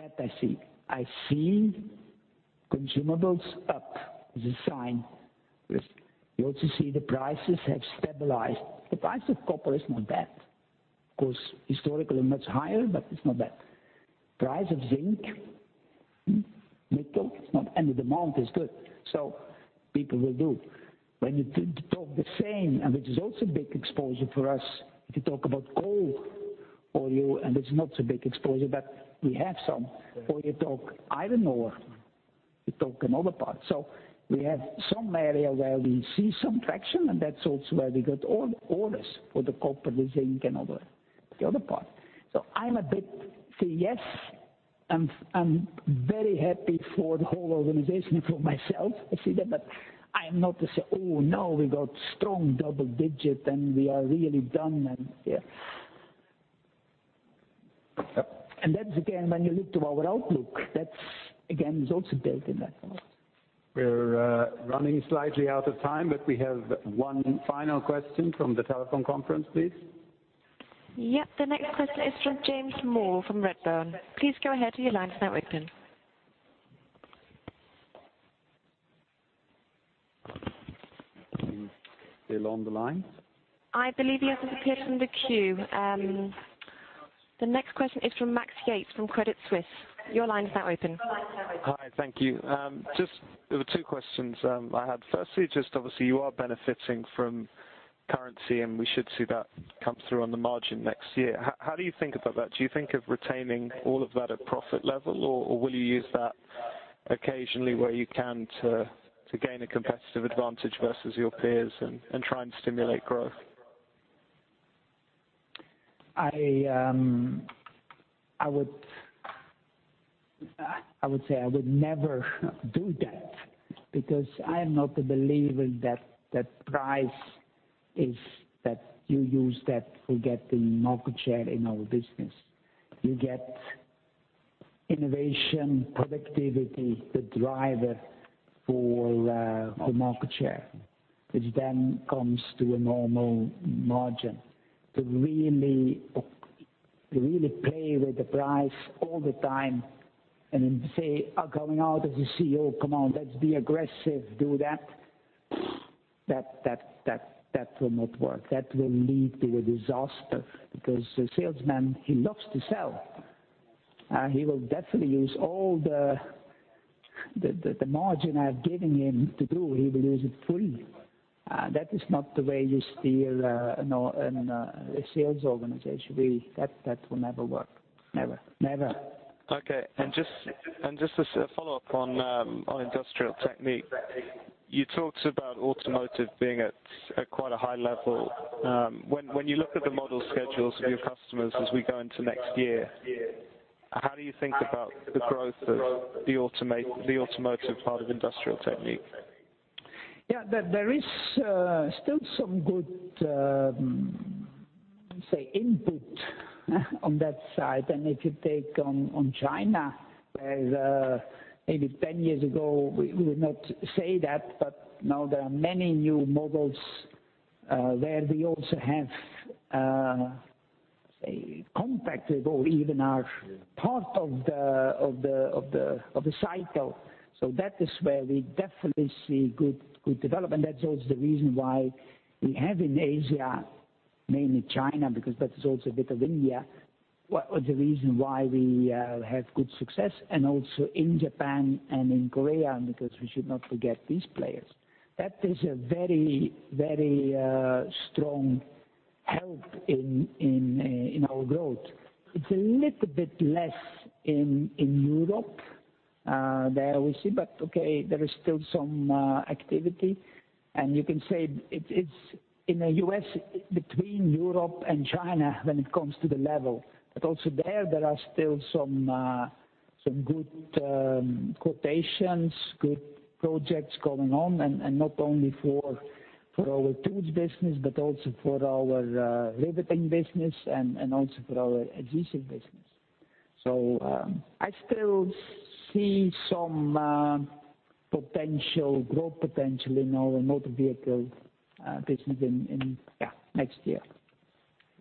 That I see. I see consumables up as a sign. You also see the prices have stabilized. The price of copper is not bad. Of course, historically much higher, but it's not bad. Price of zinc, nickel, it's not, and the demand is good. People will do. When you talk the same, and which is also a big exposure for us, if you talk about coal, and it's not a big exposure, but we have some, or you talk iron ore, you talk another part. We have some area where we see some traction, and that's also where we got orders for the copper, the zinc, and the other part. I'm a bit say yes, I'm very happy for the whole organization and for myself, I see that, but I'm not to say, "no, we got strong double-digit and we are really done." That's again, when you look to our outlook, that's again, is also built in that part. We're running slightly out of time, but we have one final question from the telephone conference, please. Yep. The next question is from James Moore from Redburn. Please go ahead. Your line's now open. Still on the line? I believe he has disappeared from the queue. The next question is from Max Yates from Credit Suisse. Your line is now open. Hi. Thank you. Just two questions I had. Firstly, just obviously you are benefiting from currency and we should see that come through on the margin next year. How do you think about that? Do you think of retaining all of that at profit level, or will you use that occasionally where you can to gain a competitive advantage versus your peers and try and stimulate growth? I would say I would never do that because I am not a believer that price is that you use that for getting market share in our business. You get innovation, productivity, the driver for market share, which then comes to a normal margin. To really play with the price all the time and then say, going out as a CEO, "Come on, let's be aggressive. Do that." That will not work. That will lead to a disaster, because the salesman, he loves to sell. He will definitely use all the margin I've given him to do, he will use it fully. That is not the way you steer a sales organization. That will never work. Never. Okay. Just as a follow-up on Industrial Technique. You talked about automotive being at quite a high level. When you look at the model schedules of your customers as we go into next year, how do you think about the growth of the automotive part of Industrial Technique? Yeah. There is still some good, say input on that side. If you take on China, where maybe 10 years ago we would not say that, but now there are many new models where we also have compacted or even are part of the cycle. That is where we definitely see good development. That's also the reason why we have in Asia, mainly China, because that is also a bit of India, the reason why we have good success. Also in Japan and in Korea, because we should not forget these players. That is a very strong help in our growth. It's a little bit less in Europe. There we see, but okay, there is still some activity, and you can say it's in the U.S. between Europe and China when it comes to the level. Also there are still some good quotations, good projects going on, and not only for our tools business, but also for our riveting business, and also for our adhesive business. I still see some potential growth in our motor vehicle business in next year.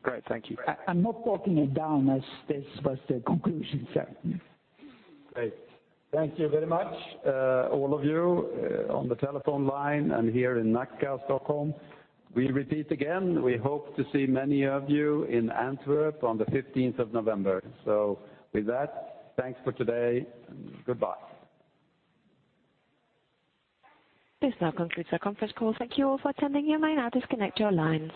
Great. Thank you. I'm not talking it down as this was the conclusion, sir. Great. Thank you very much all of you on the telephone line and here in Nacka, Stockholm. We repeat again, we hope to see many of you in Antwerp on the 15th of November. With that, thanks for today. Goodbye. This now concludes our conference call. Thank you all for attending. You may now disconnect your lines.